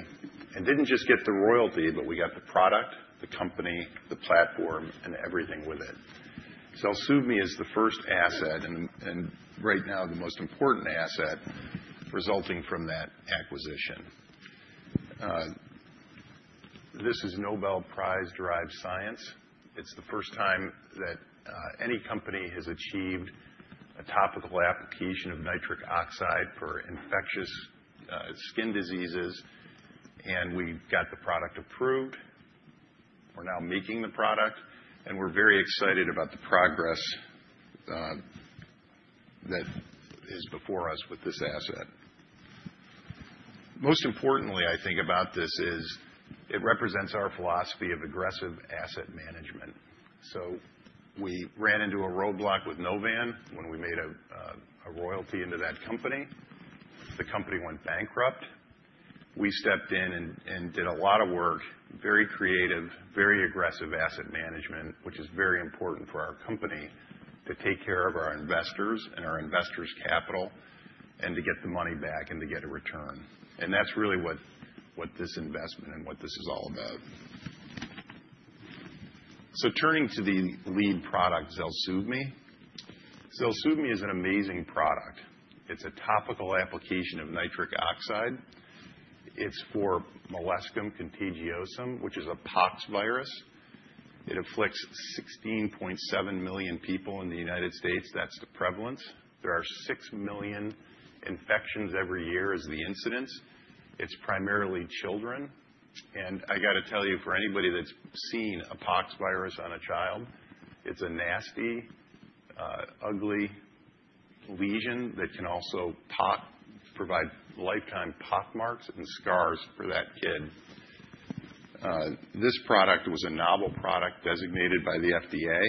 and didn't just get the royalty, but we got the product, the company, the platform, and everything with it. ZELSUVMI is the first asset and right now the most important asset resulting from that acquisition. This is Nobel Prize-derived science. It's the first time that any company has achieved a topical application of nitric oxide for infectious skin diseases, and we got the product approved. We're now making the product, and we're very excited about the progress that is before us with this asset. Most importantly, I think about this is it represents our philosophy of aggressive asset management, so we ran into a roadblock with Novan when we made a royalty into that company. The company went bankrupt. We stepped in and did a lot of work, very creative, very aggressive asset management, which is very important for our company to take care of our investors and our investors' capital and to get the money back and to get a return, and that's really what this investment and what this is all about, so turning to the lead product, ZELSUVMI. ZELSUVMI is an amazing product. It's a topical application of nitric oxide. It's for molluscum contagiosum, which is a pox virus. It afflicts 16.7 million people in the United States. That's the prevalence. There are 6,000,000 infections every year as the incidence. It's primarily children, and I got to tell you, for anybody that's seen a pox virus on a child, it's a nasty, ugly lesion that can also provide lifetime pock marks and scars for that kid. This product was a novel product designated by the FDA,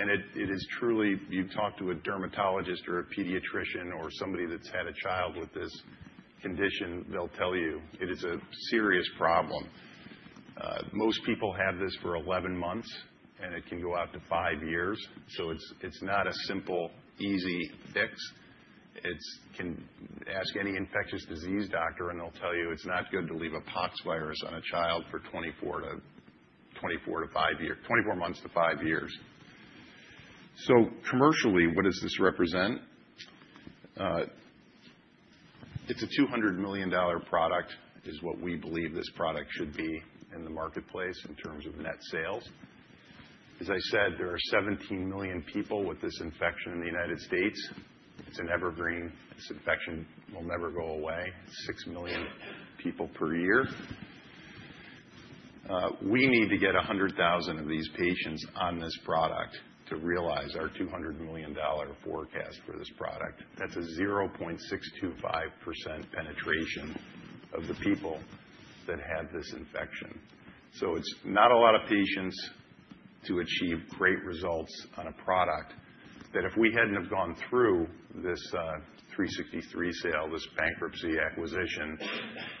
and it is truly, you talk to a dermatologist or a pediatrician or somebody that's had a child with this condition, they'll tell you it is a serious problem. Most people have this for 11 months, and it can go out to five years, so it's not a simple, easy fix. Ask any infectious disease doctor, and they'll tell you it's not good to leave a pox virus on a child for 24 months to five years, so commercially, what does this represent? It's a $200 million product, is what we believe this product should be in the marketplace in terms of net sales. As I said, there are 17 million people with this infection in the United States. It's an evergreen. This infection will never go away. It's 6,000,000 people per year. We need to get 100,000 of these patients on this product to realize our $200 million forecast for this product. That's a 0.625% penetration of the people that have this infection. So it's not a lot of patients to achieve great results on a product that if we hadn't have gone through this 363 sale, this bankruptcy acquisition,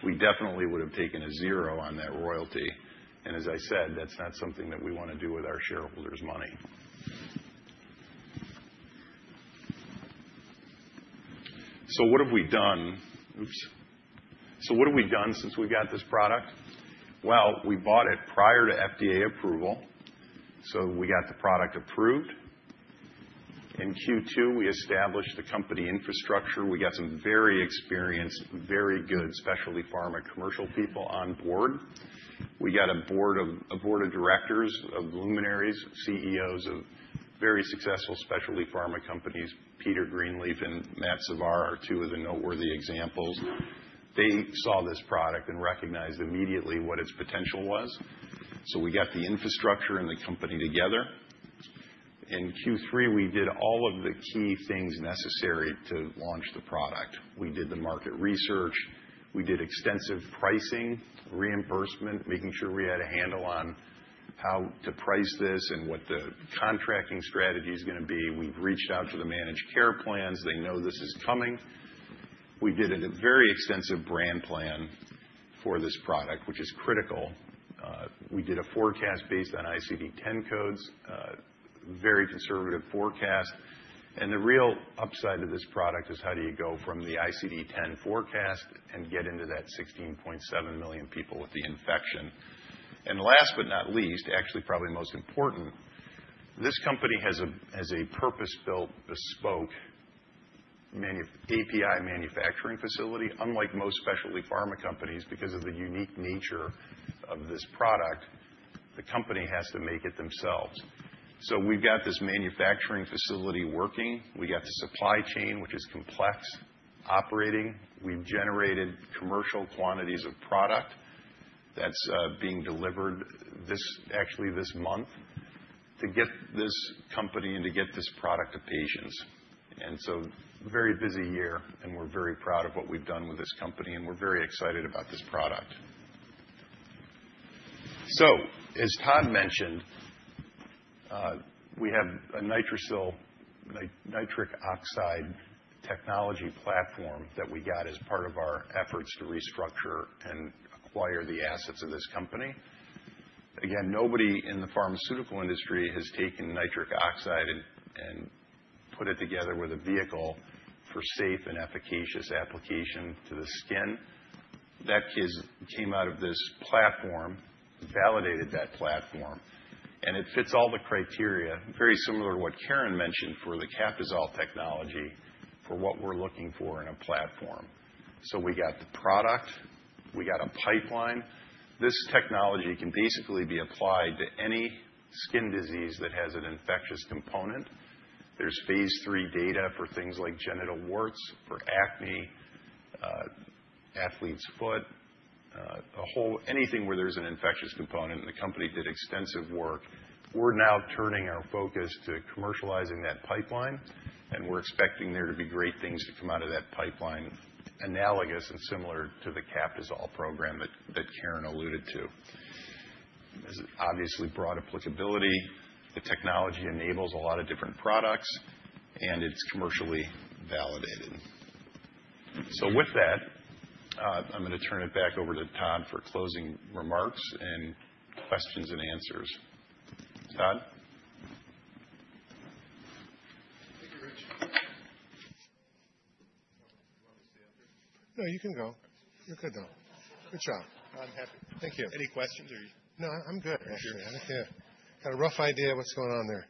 we definitely would have taken a zero on that royalty. And as I said, that's not something that we want to do with our shareholders' money. So what have we done? Oops. So what have we done since we got this product? Well, we bought it prior to FDA approval. So we got the product approved. In Q2, we established the company infrastructure. We got some very experienced, very good specialty pharma commercial people on board. We got a board of directors of luminaries, CEOs of very successful specialty pharma companies. Peter Greenleaf and Matt of Savara are two of the noteworthy examples. They saw this product and recognized immediately what its potential was. So we got the infrastructure and the company together. In Q3, we did all of the key things necessary to launch the product. We did the market research. We did extensive pricing, reimbursement, making sure we had a handle on how to price this and what the contracting strategy is going to be. We've reached out to the managed care plans. They know this is coming. We did a very extensive brand plan for this product, which is critical. We did a forecast based on ICD-10 codes, very conservative forecast, and the real upside of this product is how do you go from the ICD-10 forecast and get into that 16.7 million people with the infection. Last but not least, actually probably most important, this company has a purpose-built, bespoke API manufacturing facility, unlike most specialty pharma companies because of the unique nature of this product. The company has to make it themselves. So we've got this manufacturing facility working. We got the supply chain, which is complex, operating. We've generated commercial quantities of product that's being delivered actually this month to get this company and to get this product to patients, and so very busy year, and we're very proud of what we've done with this company, and we're very excited about this product. As Todd mentioned, we have a nitric oxide technology platform that we got as part of our efforts to restructure and acquire the assets of this company. Again, nobody in the pharmaceutical industry has taken nitric oxide and put it together with a vehicle for safe and efficacious application to the skin. That came out of this platform, validated that platform, and it fits all the criteria, very similar to what Karen mentioned for the Captisol technology, for what we're looking for in a platform. We got the product. We got a pipeline. This technology can basically be applied to any skin disease that has an infectious component. There's phase III data for things like genital warts, for acne, athlete's foot, anything where there's an infectious component, and the company did extensive work. We're now turning our focus to commercializing that pipeline, and we're expecting there to be great things to come out of that pipeline, analogous and similar to the Captisol program that Karen alluded to. There's obviously broad applicability. The technology enables a lot of different products, and it's commercially validated. So with that, I'm going to turn it back over to Todd for closing remarks and questions and answers. Todd? Thank you, Rich. No, you can go. You're good though. Good job. I'm happy. Thank you. Any questions? No, I'm good, actually. I got a rough idea of what's going on there.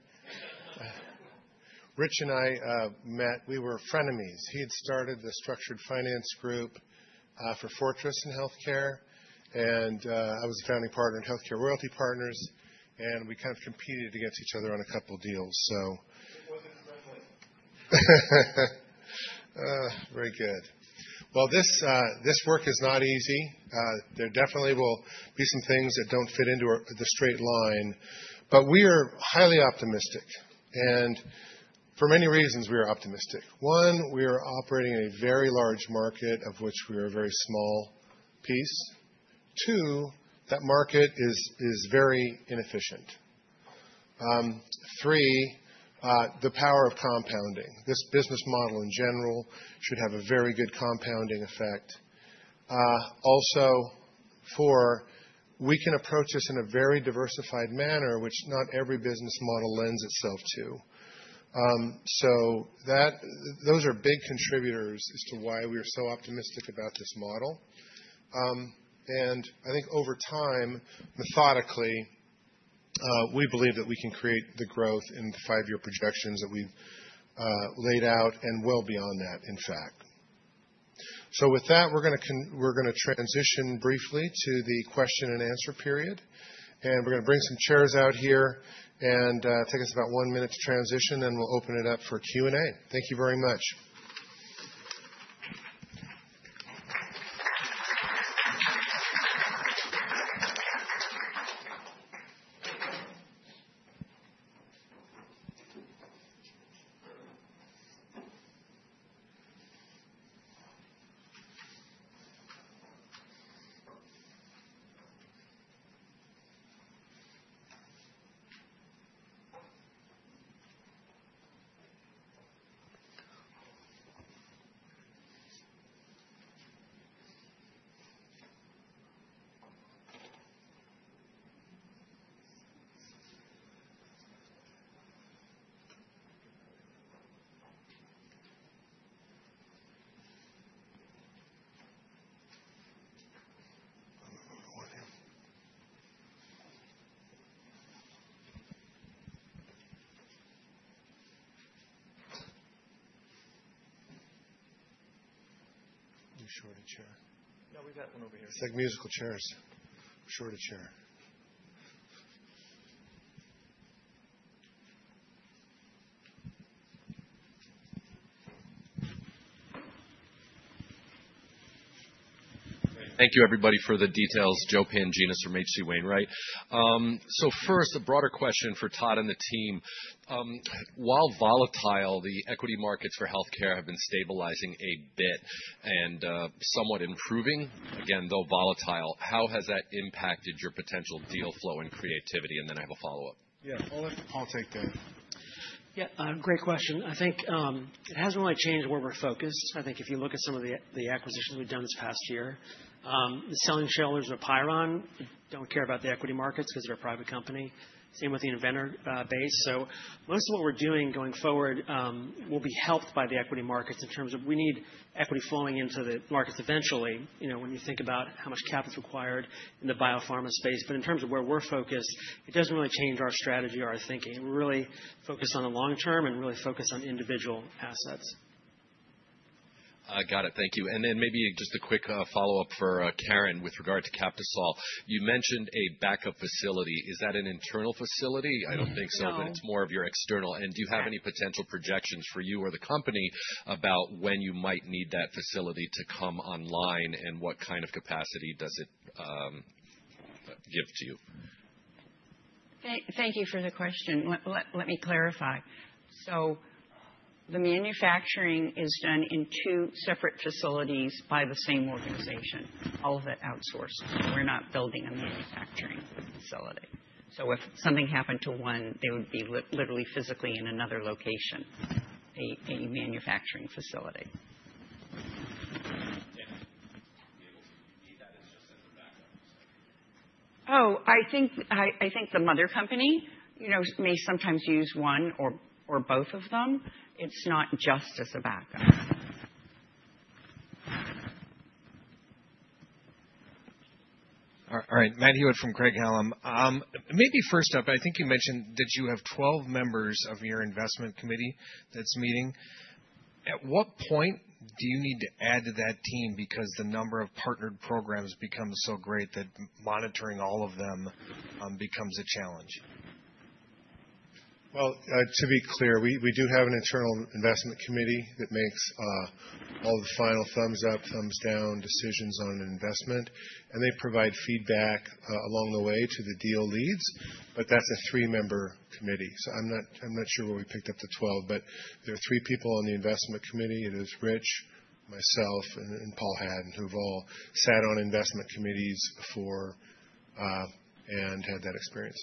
Rich and I, Matt, we were frenemies. He had started the structured finance group for Fortress in healthcare, and I was a founding partner in Healthcare Royalty Partners, and we kind of competed against each other on a couple of deals, so. It wasn't friendly. Very good. Well, this work is not easy. There definitely will be some things that don't fit into the straight line, but we are highly optimistic. And for many reasons, we are optimistic. One, we are operating in a very large market, of which we are a very small piece. Two, that market is very inefficient. Three, the power of compounding. This business model in general should have a very good compounding effect. Also, four, we can approach this in a very diversified manner, which not every business model lends itself to. So those are big contributors as to why we are so optimistic about this model. And I think over time, methodically, we believe that we can create the growth in the five-year projections that we've laid out and well beyond that, in fact. So with that, we're going to transition briefly to the question and answer period, and we're going to bring some chairs out here and take us about one minute to transition, and we'll open it up for Q&A. Thank you very much. New shortage chair. Yeah, we've got one over here. It's like musical chairs. Shortage chair. Thank you, everybody, for the details. Joe Pantginis, H.C. Wainwright. So first, a broader question for Todd and the team. While volatile, the equity markets for healthcare have been stabilizing a bit and somewhat improving, again, though volatile, how has that impacted your potential deal flow and creativity? And then I have a follow-up. Yeah, I'll take that. Yeah, great question. I think it hasn't really changed where we're focused. I think if you look at some of the acquisitions we've done this past year, the selling shareholders of Pyron don't care about the equity markets because they're a private company. Same with the investor base. So most of what we're doing going forward will be helped by the equity markets in terms of we need equity flowing into the markets eventually when you think about how much capital is required in the biopharma space. But in terms of where we're focused, it doesn't really change our strategy or our thinking. We're really focused on the long term and really focused on individual assets. Got it. Thank you. And then maybe just a quick follow-up for Karen with regard to Captisol. You mentioned a backup facility. Is that an internal facility? I don't think so, but it's more of your external. And do you have any potential projections for you or the company about when you might need that facility to come online and what kind of capacity does it give to you? Thank you for the question. Let me clarify. So the manufacturing is done in two separate facilities by the same organization. All of it outsourced. We're not building a manufacturing facility. So if something happened to one, they would be literally physically in another location, a manufacturing facility. Yeah. Be able to compete, that is just as a backup. Oh, I think the mother company may sometimes use one or both of them. It's not just as a backup. All right. Matt Hewitt from Craig-Hallum. Maybe first up, I think you mentioned that you have 12 members of your investment committee that's meeting. At what point do you need to add to that team because the number of partnered programs becomes so great that monitoring all of them becomes a challenge? To be clear, we do have an internal investment committee that makes all the final thumbs up, thumbs down decisions on an investment. They provide feedback along the way to the deal leads, but that's a three-member committee. I'm not sure where you picked up the 12, but there are three people on the investment committee. It is Rich, myself, and Paul Hadden, who have all sat on investment committees before and had that experience.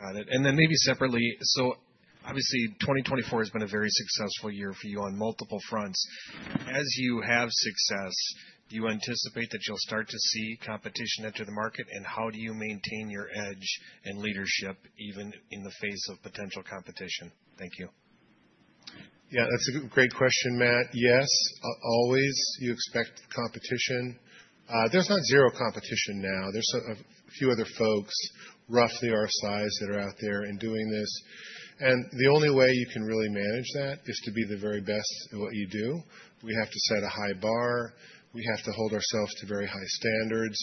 Got it. And then maybe separately, so obviously, 2024 has been a very successful year for you on multiple fronts. As you have success, do you anticipate that you'll start to see competition enter the market? And how do you maintain your edge and leadership even in the face of potential competition? Thank you. Yeah, that's a great question, Matt. Yes, always. You expect competition. There's not zero competition now. There's a few other folks, roughly our size, that are out there and doing this. And the only way you can really manage that is to be the very best at what you do. We have to set a high bar. We have to hold ourselves to very high standards.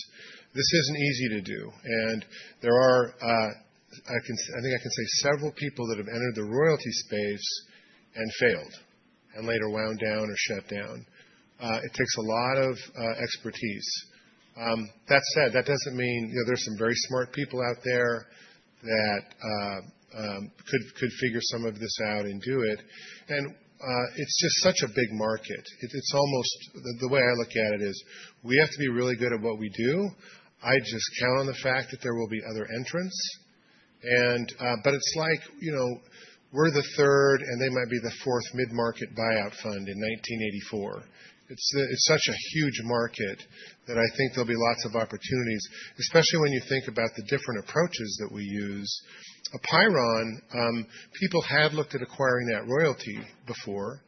This isn't easy to do. And there are, I think I can say, several people that have entered the royalty space and failed and later wound down or shut down. It takes a lot of expertise. That said, that doesn't mean there's some very smart people out there that could figure some of this out and do it. And it's just such a big market. The way I look at it is we have to be really good at what we do. I just count on the fact that there will be other entrants. But it's like we're the third and they might be the fourth mid-market buyout fund in 1984. It's such a huge market that I think there'll be lots of opportunities, especially when you think about the different approaches that we use. At Pyron, people have looked at acquiring that royalty before.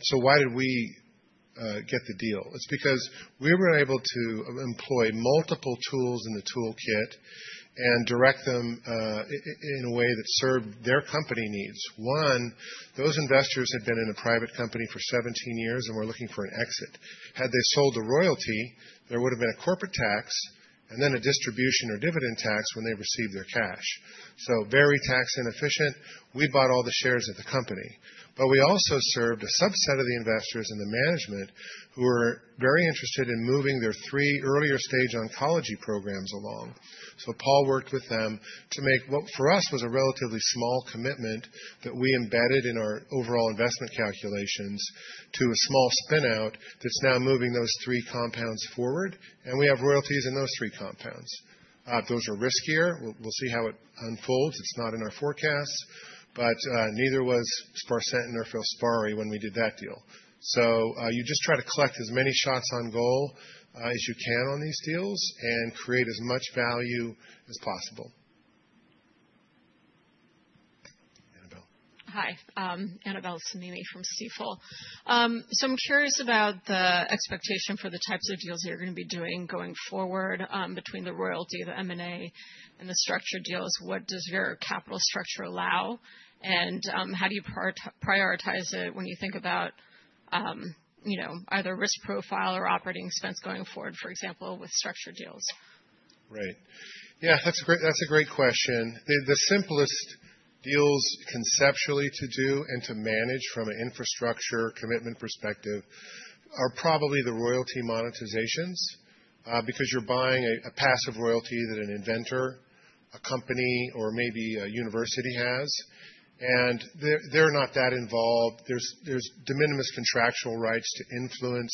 So why did we get the deal? It's because we were able to employ multiple tools in the toolkit and direct them in a way that served their company needs. One, those investors had been in a private company for 17 years and were looking for an exit. Had they sold the royalty, there would have been a corporate tax and then a distribution or dividend tax when they received their cash. So very tax inefficient. We bought all the shares of the company. But we also served a subset of the investors and the management who were very interested in moving their three earlier stage oncology programs along. So Paul worked with them to make what for us was a relatively small commitment that we embedded in our overall investment calculations to a small spinout that's now moving those three compounds forward, and we have royalties in those three compounds. Those are riskier. We'll see how it unfolds. It's not in our forecasts, but neither was sparsentan or FILSPARI when we did that deal. So you just try to collect as many shots on goal as you can on these deals and create as much value as possible. Hi. Annabel Samimy from Stifel. So I'm curious about the expectation for the types of deals that you're going to be doing going forward between the royalty, the M&A, and the structured deals. What does your capital structure allow? And how do you prioritize it when you think about either risk profile or operating expense going forward, for example, with structured deals? Right. Yeah, that's a great question. The simplest deals conceptually to do and to manage from an infrastructure commitment perspective are probably the royalty monetizations because you're buying a passive royalty that an inventor, a company, or maybe a university has. And they're not that involved. There's de minimis contractual rights to influence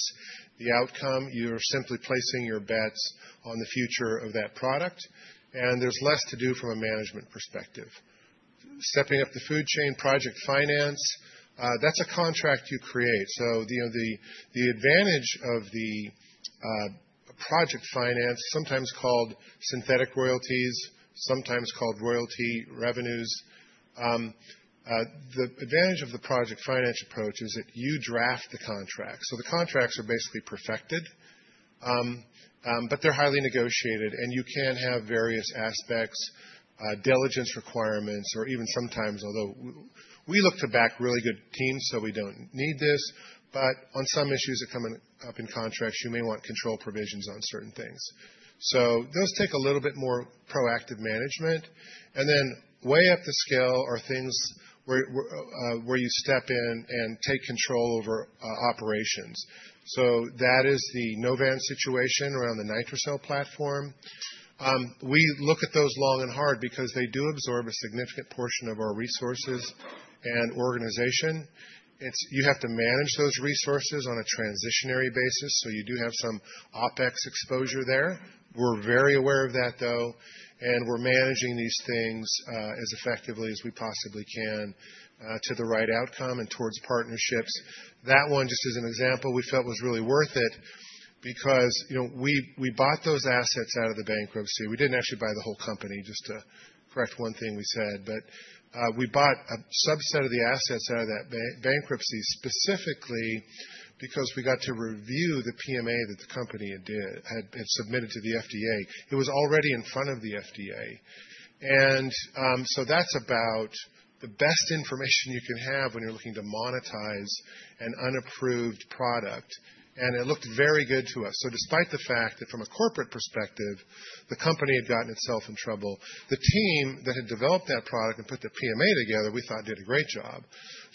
the outcome. You're simply placing your bets on the future of that product. And there's less to do from a management perspective. Stepping up the food chain project finance, that's a contract you create. So the advantage of the project finance, sometimes called synthetic royalties, sometimes called royalty revenues, the advantage of the project finance approach is that you draft the contracts. So the contracts are basically perfected, but they're highly negotiated, and you can have various aspects, diligence requirements, or even sometimes, although we look to back really good teams, so we don't need this, but on some issues that come up in contracts, you may want control provisions on certain things. So those take a little bit more proactive management. And then way up the scale are things where you step in and take control over operations. So that is the Novan situation around the NITRICIL platform. We look at those long and hard because they do absorb a significant portion of our resources and organization. You have to manage those resources on a transitionary basis, so you do have some OpEx exposure there. We're very aware of that, though, and we're managing these things as effectively as we possibly can to the right outcome and towards partnerships. That one, just as an example, we felt was really worth it because we bought those assets out of the bankruptcy. We didn't actually buy the whole company, just to correct one thing we said, but we bought a subset of the assets out of that bankruptcy specifically because we got to review the PMA that the company had submitted to the FDA. It was already in front of the FDA. And so that's about the best information you can have when you're looking to monetize an unapproved product. And it looked very good to us. So despite the fact that from a corporate perspective, the company had gotten itself in trouble, the team that had developed that product and put the PMA together, we thought, did a great job.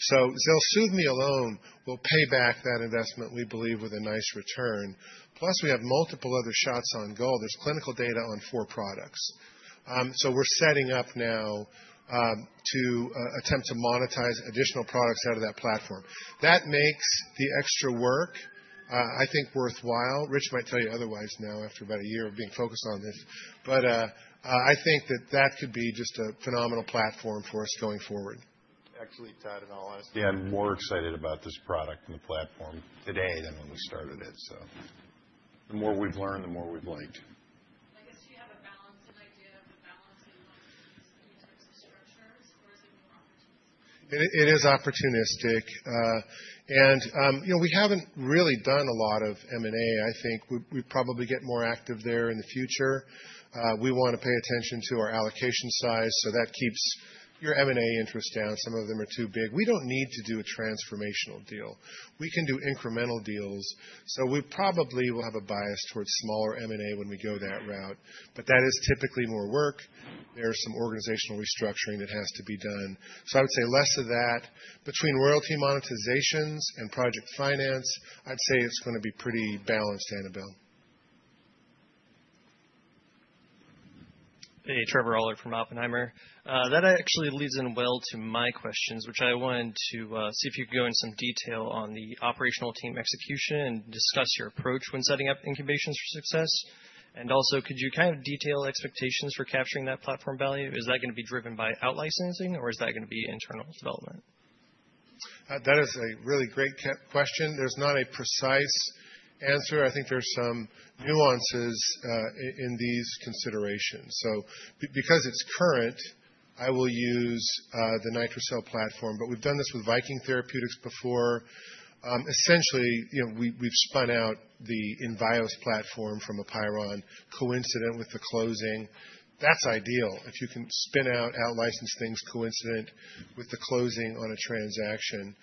So ZELSUVMI alone will pay back that investment, we believe, with a nice return. Plus, we have multiple other shots on goal. There's clinical data on four products. So we're setting up now to attempt to monetize additional products out of that platform. That makes the extra work, I think, worthwhile. Rich might tell you otherwise now after about a year of being focused on this. But I think that that could be just a phenomenal platform for us going forward. Actually, Todd, in all honesty, I'm more excited about this product and the platform today than when we started it. So the more we've learned, the more we've liked. I guess do you have a balanced idea of the balance in terms of structures, or is it more opportunistic? It is opportunistic, and we haven't really done a lot of M&A. I think we probably get more active there in the future. We want to pay attention to our allocation size, so that keeps your M&A interest down. Some of them are too big. We don't need to do a transformational deal. We can do incremental deals, so we probably will have a bias towards smaller M&A when we go that route, but that is typically more work. There's some organizational restructuring that has to be done, so I would say less of that. Between royalty monetizations and project finance, I'd say it's going to be pretty balanced, Annabel. Hey, Trevor Allred from Oppenheimer. That actually leads in well to my questions, which I wanted to see if you could go into some detail on the operational team execution and discuss your approach when setting up incubations for success. And also, could you kind of detail expectations for capturing that platform value? Is that going to be driven by outlicensing, or is that going to be internal development? That is a really great question. There's not a precise answer. I think there's some nuances in these considerations. So because it's current, I will use the NITRICIL platform. But we've done this with Viking Therapeutics before. Essentially, we've spun out the invIOs platform from a APEIRON coincident with the closing. That's ideal if you can spin out or out-license things coincident with the closing on a transaction.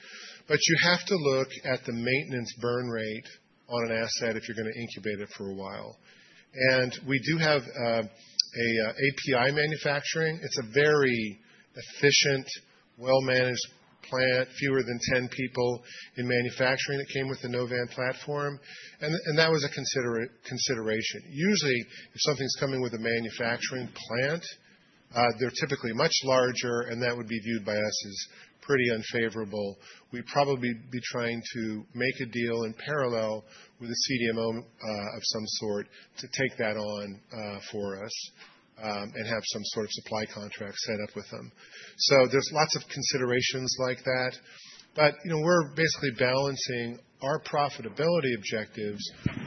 But you have to look at the maintenance burn rate on an asset if you're going to incubate it for a while. And we do have an API manufacturing. It's a very efficient, well-managed plant, fewer than 10 people in manufacturing that came with the Novan platform. And that was a consideration. Usually, if something's coming with a manufacturing plant, they're typically much larger, and that would be viewed by us as pretty unfavorable. We'd probably be trying to make a deal in parallel with a CDMO of some sort to take that on for us and have some sort of supply contract set up with them. So there's lots of considerations like that. But we're basically balancing our profitability objectives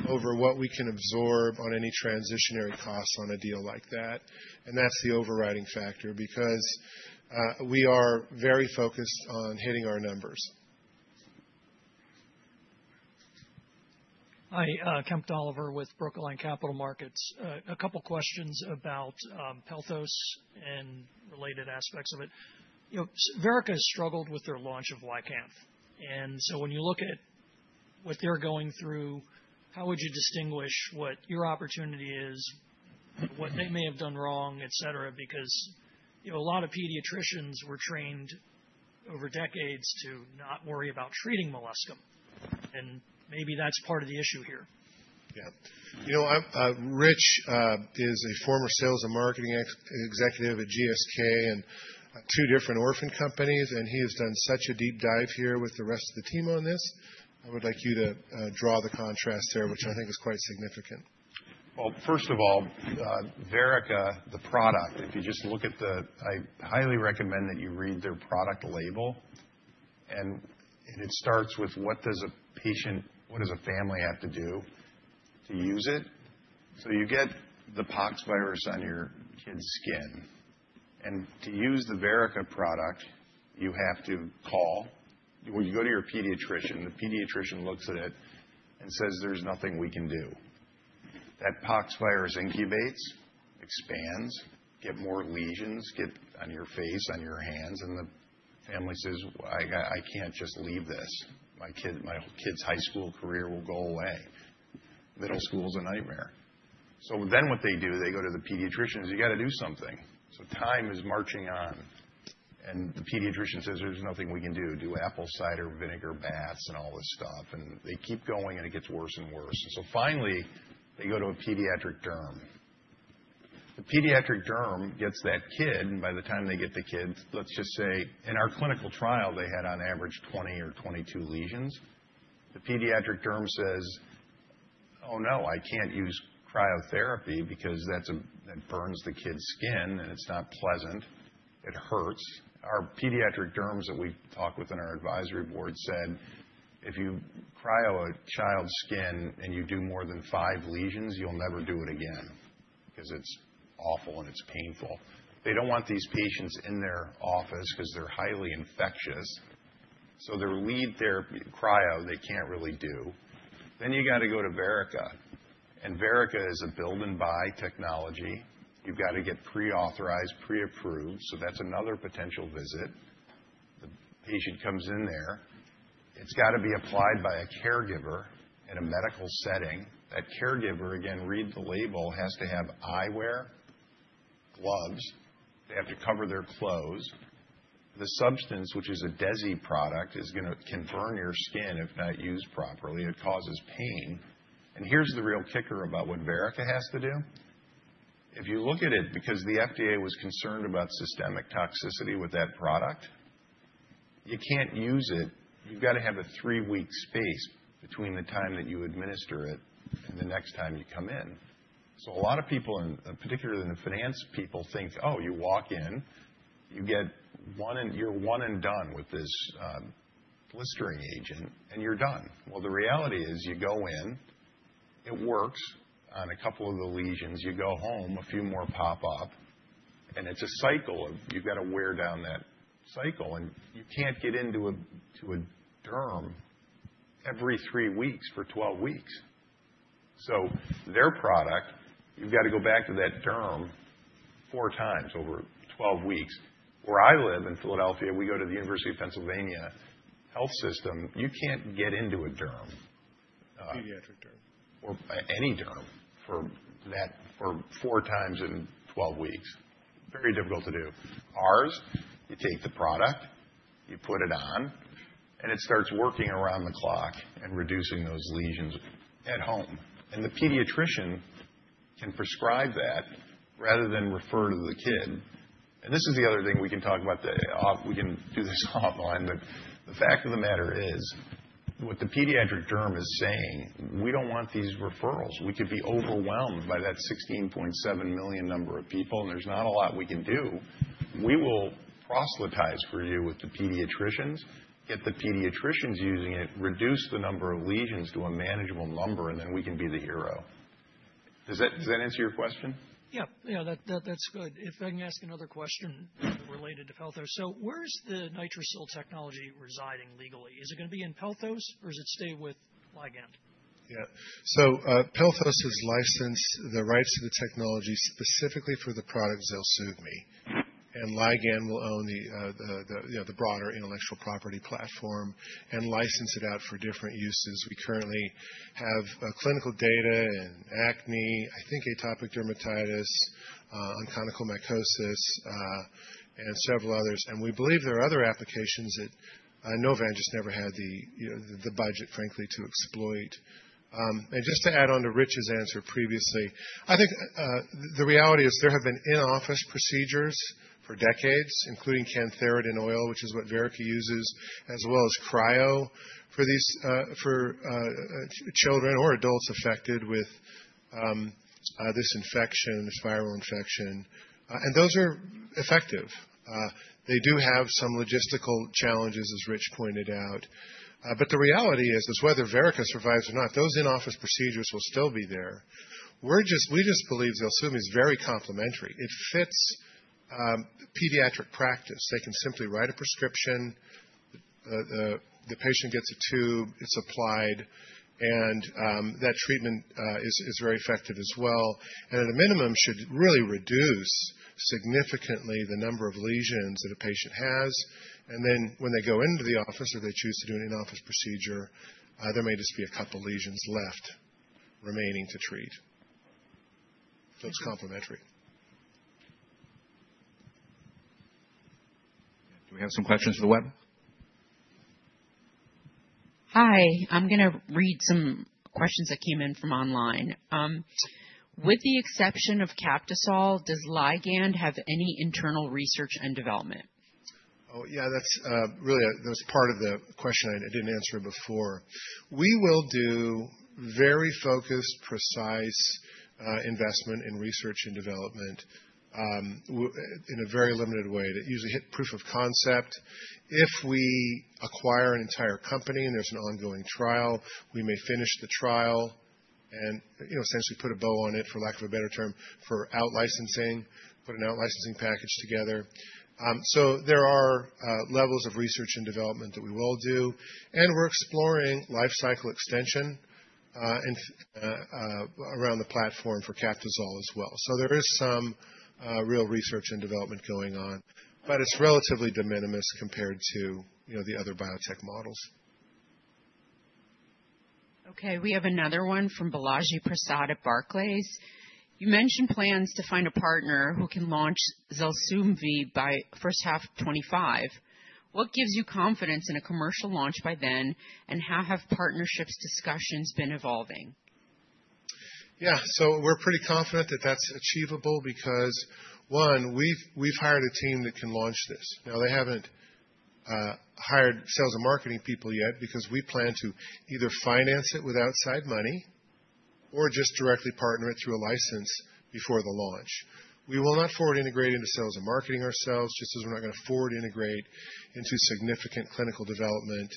over what we can absorb on any transitionary costs on a deal like that. And that's the overriding factor because we are very focused on hitting our numbers. Hi, Kemp Dolliver with Brookline Capital Markets. A couple of questions about Pelthos and related aspects of it. Verrica has struggled with their launch of YCANTH. And so when you look at what they're going through, how would you distinguish what your opportunity is, what they may have done wrong, etc.? Because a lot of pediatricians were trained over decades to not worry about treating molluscum. And maybe that's part of the issue here. Yeah. Rich is a former sales and marketing executive at GSK and two different orphan companies. And he has done such a deep dive here with the rest of the team on this. I would like you to draw the contrast there, which I think is quite significant. First of all, Verrica, the product, if you just look at it, I highly recommend that you read their product label. It starts with, "What does a family have to do to use it?" You get the pox virus on your kid's skin. To use the Verrica product, you have to call. You go to your pediatrician. The pediatrician looks at it and says, "There's nothing we can do." That pox virus incubates, expands, gets more lesions on your face, on your hands. The family says, "I can't just leave this. My kid's high school career will go away. Middle school is a nightmare." Then what they do, they go to the pediatrician, "You got to do something." Time is marching on. The pediatrician says, "There's nothing we can do. Do apple cider vinegar baths and all this stuff." And they keep going, and it gets worse and worse. And so finally, they go to a pediatric derm. The pediatric derm gets that kid. And by the time they get the kid, let's just say in our clinical trial, they had on average 20 or 22 lesions. The pediatric derm says, "Oh, no, I can't use cryotherapy because that burns the kid's skin, and it's not pleasant. It hurts." Our pediatric derms that we talk with in our advisory board said, "If you cryo a child's skin and you do more than five lesions, you'll never do it again because it's awful and it's painful." They don't want these patients in their office because they're highly infectious. So their lead therapy cryo, they can't really do. Then you got to go to Verrica. And Verrica is a build-and-buy technology. You've got to get pre-authorized, pre-approved. So that's another potential visit. The patient comes in there. It's got to be applied by a caregiver in a medical setting. That caregiver, again, read the label, has to have eyewear, gloves. They have to cover their clothes. The substance, which is a vesicant product, can burn your skin if not used properly. It causes pain. And here's the real kicker about what Verrica has to do. If you look at it, because the FDA was concerned about systemic toxicity with that product, you can't use it. You've got to have a three-week space between the time that you administer it and the next time you come in. So a lot of people, and particularly the finance people, think, "Oh, you walk in, you're one and done with this blistering agent, and you're done." Well, the reality is you go in, it works on a couple of the lesions. You go home, a few more pop up. And it's a cycle of you've got to wear down that cycle. And you can't get into a derm every three weeks for 12 weeks. So their product, you've got to go back to that derm 4x over 12 weeks. Where I live in Philadelphia, we go to the University of Pennsylvania Health System. You can't get into a derm. Pediatric derm. Or any derm for 4x in 12 weeks. Very difficult to do. Ours, you take the product, you put it on, and it starts working around the clock and reducing those lesions at home. And the pediatrician can prescribe that rather than refer to the kid. And this is the other thing we can talk about. We can do this offline. But the fact of the matter is what the pediatric derm is saying, we don't want these referrals. We could be overwhelmed by that 16.7 million number of people, and there's not a lot we can do. We will proselytize for you with the pediatricians, get the pediatricians using it, reduce the number of lesions to a manageable number, and then we can be the hero. Does that answer your question? Yeah. Yeah, that's good. If I can ask another question related to Pelthos. So where's the NITRICIL technology residing legally? Is it going to be in Pelthos, or does it stay with Ligand? Yeah. So Pelthos has licensed the rights to the technology specifically for the product ZELSUVMI. And Ligand will own the broader intellectual property platform and license it out for different uses. We currently have clinical data in acne, I think atopic dermatitis, onychomycosis, and several others. And we believe there are other applications that Novan just never had the budget, frankly, to exploit. And just to add on to Rich's answer previously, I think the reality is there have been in-office procedures for decades, including cantharidin oil, which is what Verrica uses, as well as cryo for children or adults affected with this infection, this viral infection. And those are effective. They do have some logistical challenges, as Rich pointed out. But the reality is, whether Verrica survives or not, those in-office procedures will still be there. We just believe ZELSUVMI is very complementary. It fits pediatric practice. They can simply write a prescription. The patient gets a tube. It's applied. And that treatment is very effective as well. And at a minimum, should really reduce significantly the number of lesions that a patient has. And then when they go into the office, or they choose to do an in-office procedure, there may just be a couple of lesions left remaining to treat. So it's complementary. Do we have some questions for the web? Hi. I'm going to read some questions that came in from online. With the exception of Captisol, does Ligand have any internal research and development? Oh, yeah, that's really part of the question. I didn't answer it before. We will do very focused, precise investment in research and development in a very limited way that usually hit proof of concept. If we acquire an entire company and there's an ongoing trial, we may finish the trial and essentially put a bow on it, for lack of a better term, for outlicensing, put an outlicensing package together. So there are levels of research and development that we will do. And we're exploring life cycle extension around the platform for Captisol as well. So there is some real research and development going on. But it's relatively de minimis compared to the other biotech models. Okay. We have another one from Balaji Prasad at Barclays. You mentioned plans to find a partner who can launch ZELSUVMI by first half 2025. What gives you confidence in a commercial launch by then, and how have partnership discussions been evolving? Yeah. So we're pretty confident that that's achievable because, one, we've hired a team that can launch this. Now, they haven't hired sales and marketing people yet because we plan to either finance it with outside money or just directly partner it through a license before the launch. We will not forward integrate into sales and marketing ourselves, just as we're not going to forward integrate into significant clinical development,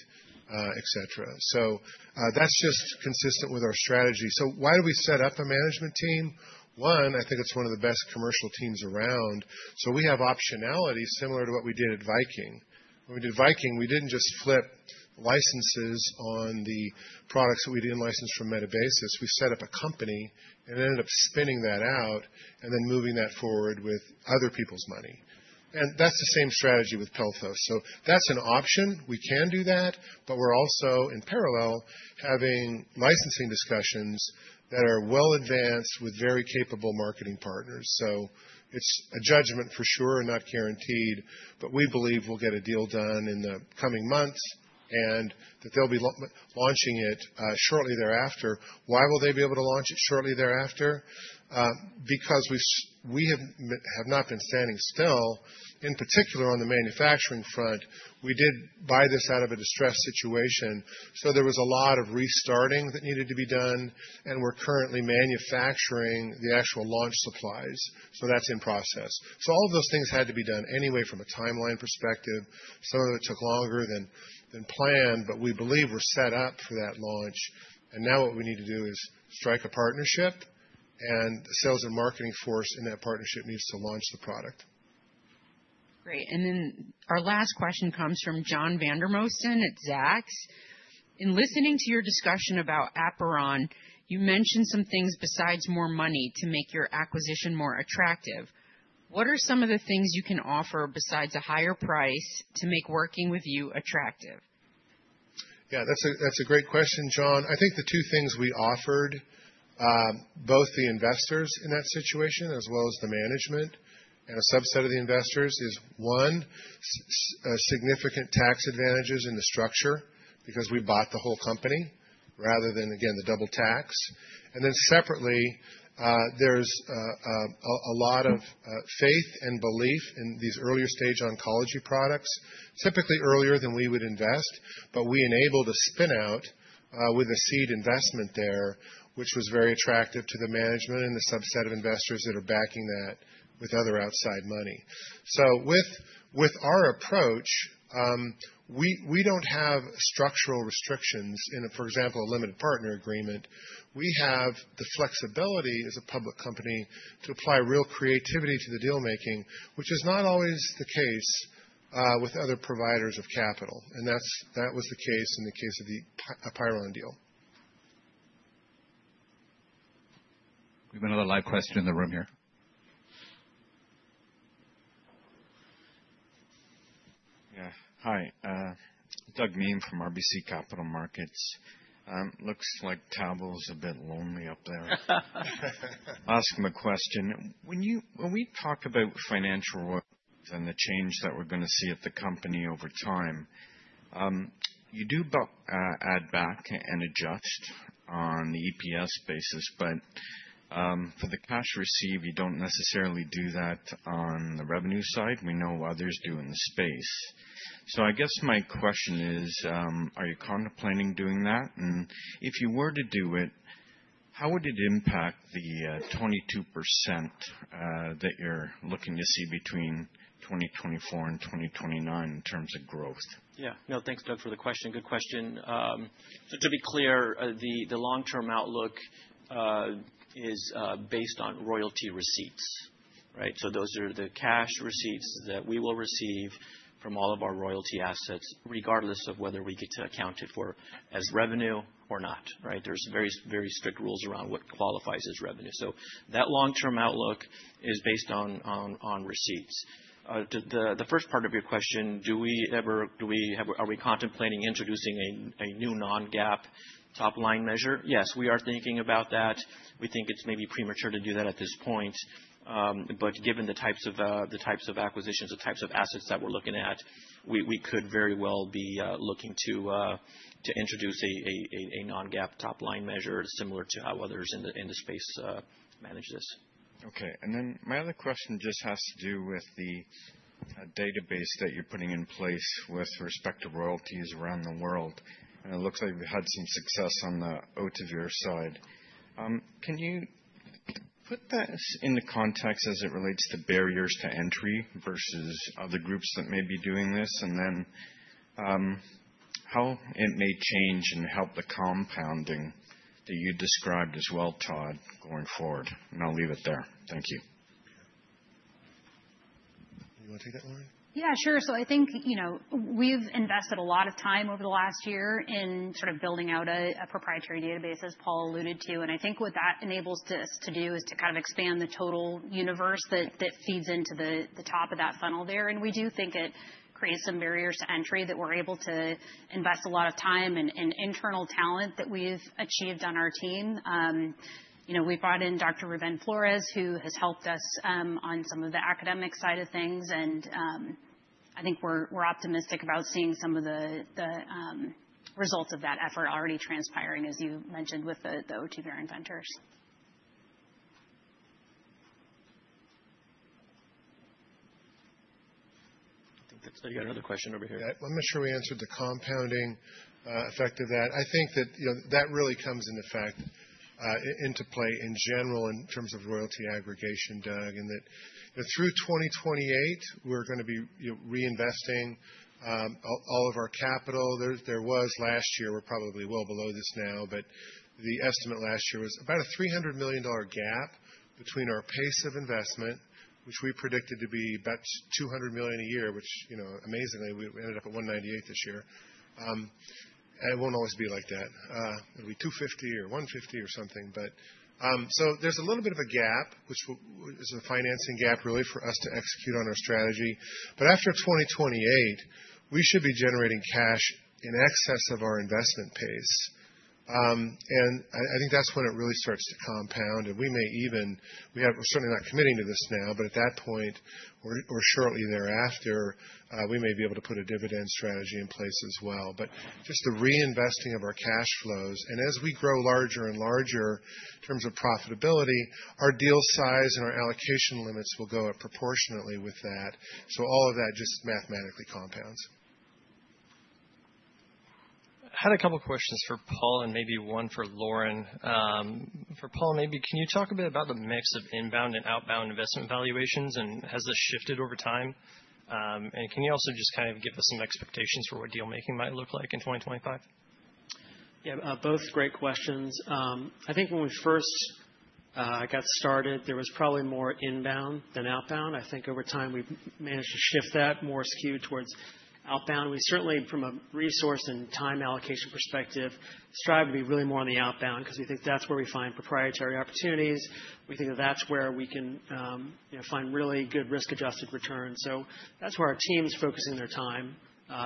etc. So that's just consistent with our strategy. So why do we set up a management team? One, I think it's one of the best commercial teams around. So we have optionality similar to what we did at Viking. When we did Viking, we didn't just flip licenses on the products that we didn't license from Metabasis. We set up a company and ended up spinning that out and then moving that forward with other people's money. That's the same strategy with Pelthos. So that's an option. We can do that. But we're also, in parallel, having licensing discussions that are well-advanced with very capable marketing partners. So it's a judgment for sure and not guaranteed. But we believe we'll get a deal done in the coming months and that they'll be launching it shortly thereafter. Why will they be able to launch it shortly thereafter? Because we have not been standing still, in particular on the manufacturing front. We did buy this out of a distressed situation. So there was a lot of restarting that needed to be done. And we're currently manufacturing the actual launch supplies. So that's in process. So all of those things had to be done anyway from a timeline perspective. Some of it took longer than planned. But we believe we're set up for that launch. And now what we need to do is strike a partnership. And the sales and marketing force in that partnership needs to launch the product. Great. And then our last question comes from John Vandermosten at Zacks. In listening to your discussion about APEIRON, you mentioned some things besides more money to make your acquisition more attractive. What are some of the things you can offer besides a higher price to make working with you attractive? Yeah, that's a great question, John. I think the two things we offered, both the investors in that situation as well as the management and a subset of the investors, is one, significant tax advantages in the structure because we bought the whole company rather than, again, the double tax. And then separately, there's a lot of faith and belief in these earlier stage oncology products, typically earlier than we would invest. But we enabled a spin-out with a seed investment there, which was very attractive to the management and the subset of investors that are backing that with other outside money. So with our approach, we don't have structural restrictions in, for example, a limited partner agreement. We have the flexibility as a public company to apply real creativity to the deal-making, which is not always the case with other providers of capital. That was the case in the case of the APEIRON deal. We have another live question in the room here. Yeah. Hi. Doug Miehm from RBC Capital Markets. Looks like Tavo is a bit lonely up there. Ask him a question. When we talk about financial work and the change that we're going to see at the company over time, you do add back and adjust on the EPS basis. But for the cash received, you don't necessarily do that on the revenue side. We know others do in the space. So I guess my question is, are you contemplating doing that? And if you were to do it, how would it impact the 22% that you're looking to see between 2024 and 2029 in terms of growth? Yeah. No, thanks, Doug, for the question. Good question. So to be clear, the long-term outlook is based on royalty receipts, right? So those are the cash receipts that we will receive from all of our royalty assets, regardless of whether we get to account it for as revenue or not, right? There's very strict rules around what qualifies as revenue. So that long-term outlook is based on receipts. The first part of your question, are we contemplating introducing a new non-GAAP top-line measure? Yes, we are thinking about that. We think it's maybe premature to do that at this point. But given the types of acquisitions and types of assets that we're looking at, we could very well be looking to introduce a non-GAAP top-line measure similar to how others in the space manage this. Okay. And then my other question just has to do with the database that you're putting in place with respect to royalties around the world. And it looks like we've had some success on the Ohtuvayre side. Can you put this in the context as it relates to barriers to entry versus other groups that may be doing this? And then how it may change and help the compounding that you described as well, Todd, going forward. And I'll leave it there. Thank you. You want to take that, Lauren? Yeah, sure. So I think we've invested a lot of time over the last year in sort of building out a proprietary database, as Paul alluded to. And I think what that enables us to do is to kind of expand the total universe that feeds into the top of that funnel there. And we do think it creates some barriers to entry that we're able to invest a lot of time and internal talent that we've achieved on our team. We brought in Dr. Ruben Flores, who has helped us on some of the academic side of things. And I think we're optimistic about seeing some of the results of that effort already transpiring, as you mentioned, with the Ohtuvayre investment. I think that's good. You got another question over here. Yeah. I'm not sure we answered the compounding effect of that. I think that that really comes into play in general in terms of royalty aggregation, Doug, and that through 2028, we're going to be reinvesting all of our capital. There was last year. We're probably well below this now. But the estimate last year was about a $300 million gap between our pace of investment, which we predicted to be about $200 million a year, which, amazingly, we ended up at $198 million this year. And it won't always be like that. It'll be $250 million or $150 million or something. So there's a little bit of a gap, which is a financing gap really for us to execute on our strategy. But after 2028, we should be generating cash in excess of our investment pace. And I think that's when it really starts to compound. And we may even, we're certainly not committing to this now. But at that point, or shortly thereafter, we may be able to put a dividend strategy in place as well. But just the reinvesting of our cash flows. And as we grow larger and larger in terms of profitability, our deal size and our allocation limits will go up proportionately with that. So all of that just mathematically compounds. I had a couple of questions for Paul and maybe one for Lauren. For Paul, maybe can you talk a bit about the mix of inbound and outbound investment valuations? And has this shifted over time? And can you also just kind of give us some expectations for what deal-making might look like in 2025? Yeah. Both great questions. I think when we first got started, there was probably more inbound than outbound. I think over time, we've managed to shift that more skewed towards outbound. We certainly, from a resource and time allocation perspective, strive to be really more on the outbound because we think that's where we find proprietary opportunities. We think that that's where we can find really good risk-adjusted returns. So that's where our team's focusing their time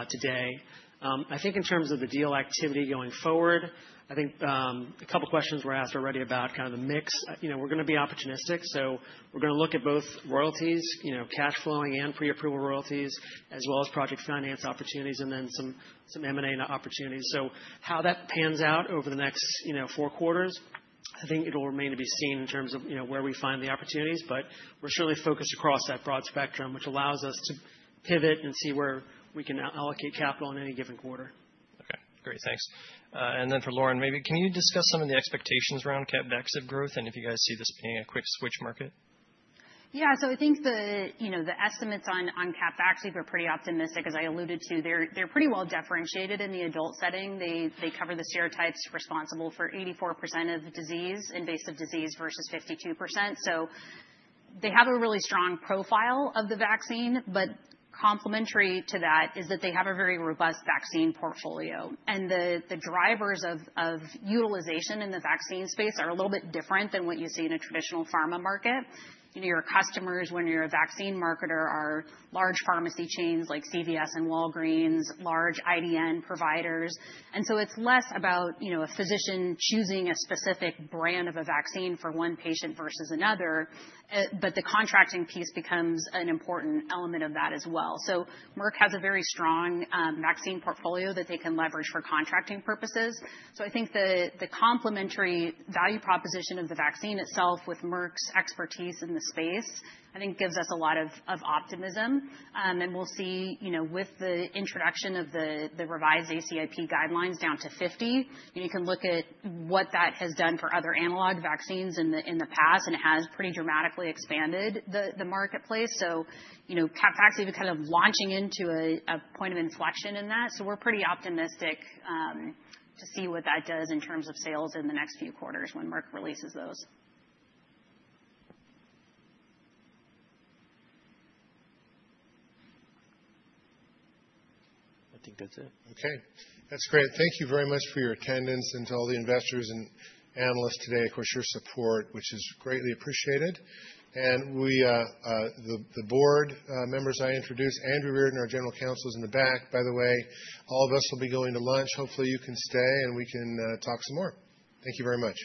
today. I think in terms of the deal activity going forward, I think a couple of questions were asked already about kind of the mix. We're going to be opportunistic. So we're going to look at both royalties, cash flowing and pre-approval royalties, as well as project finance opportunities and then some M&A opportunities. So how that pans out over the next four quarters, I think it'll remain to be seen in terms of where we find the opportunities. But we're certainly focused across that broad spectrum, which allows us to pivot and see where we can allocate capital in any given quarter. Okay. Great. Thanks. And then for Lauren, maybe can you discuss some of the expectations around CAPVAXIVE growth and if you guys see this being a quick switch market? Yeah. So I think the estimates on CAPVAXIVE, I think we're pretty optimistic. As I alluded to, they're pretty well differentiated in the adult setting. They cover the serotypes responsible for 84% of disease, invasive disease versus 52%. So they have a really strong profile of the vaccine. But complementary to that is that they have a very robust vaccine portfolio. And the drivers of utilization in the vaccine space are a little bit different than what you see in a traditional pharma market. Your customers, when you're a vaccine marketer, are large pharmacy chains like CVS and Walgreens, large IDN providers. And so it's less about a physician choosing a specific brand of a vaccine for one patient versus another. But the contracting piece becomes an important element of that as well. So Merck has a very strong vaccine portfolio that they can leverage for contracting purposes. So I think the complementary value proposition of the vaccine itself with Merck's expertise in the space, I think, gives us a lot of optimism. And we'll see with the introduction of the revised ACIP guidelines down to 50. You can look at what that has done for other analog vaccines in the past. And it has pretty dramatically expanded the marketplace. So CAPVAXIVE is even kind of launching into a point of inflection in that. So we're pretty optimistic to see what that does in terms of sales in the next few quarters when Merck releases those. I think that's it. Okay. That's great. Thank you very much for your attendance and to all the investors and analysts today. Of course, your support, which is greatly appreciated, and the board members I introduced, Andrew Reardon, our General Counsel, is in the back. By the way, all of us will be going to lunch. Hopefully, you can stay, and we can talk some more. Thank you very much.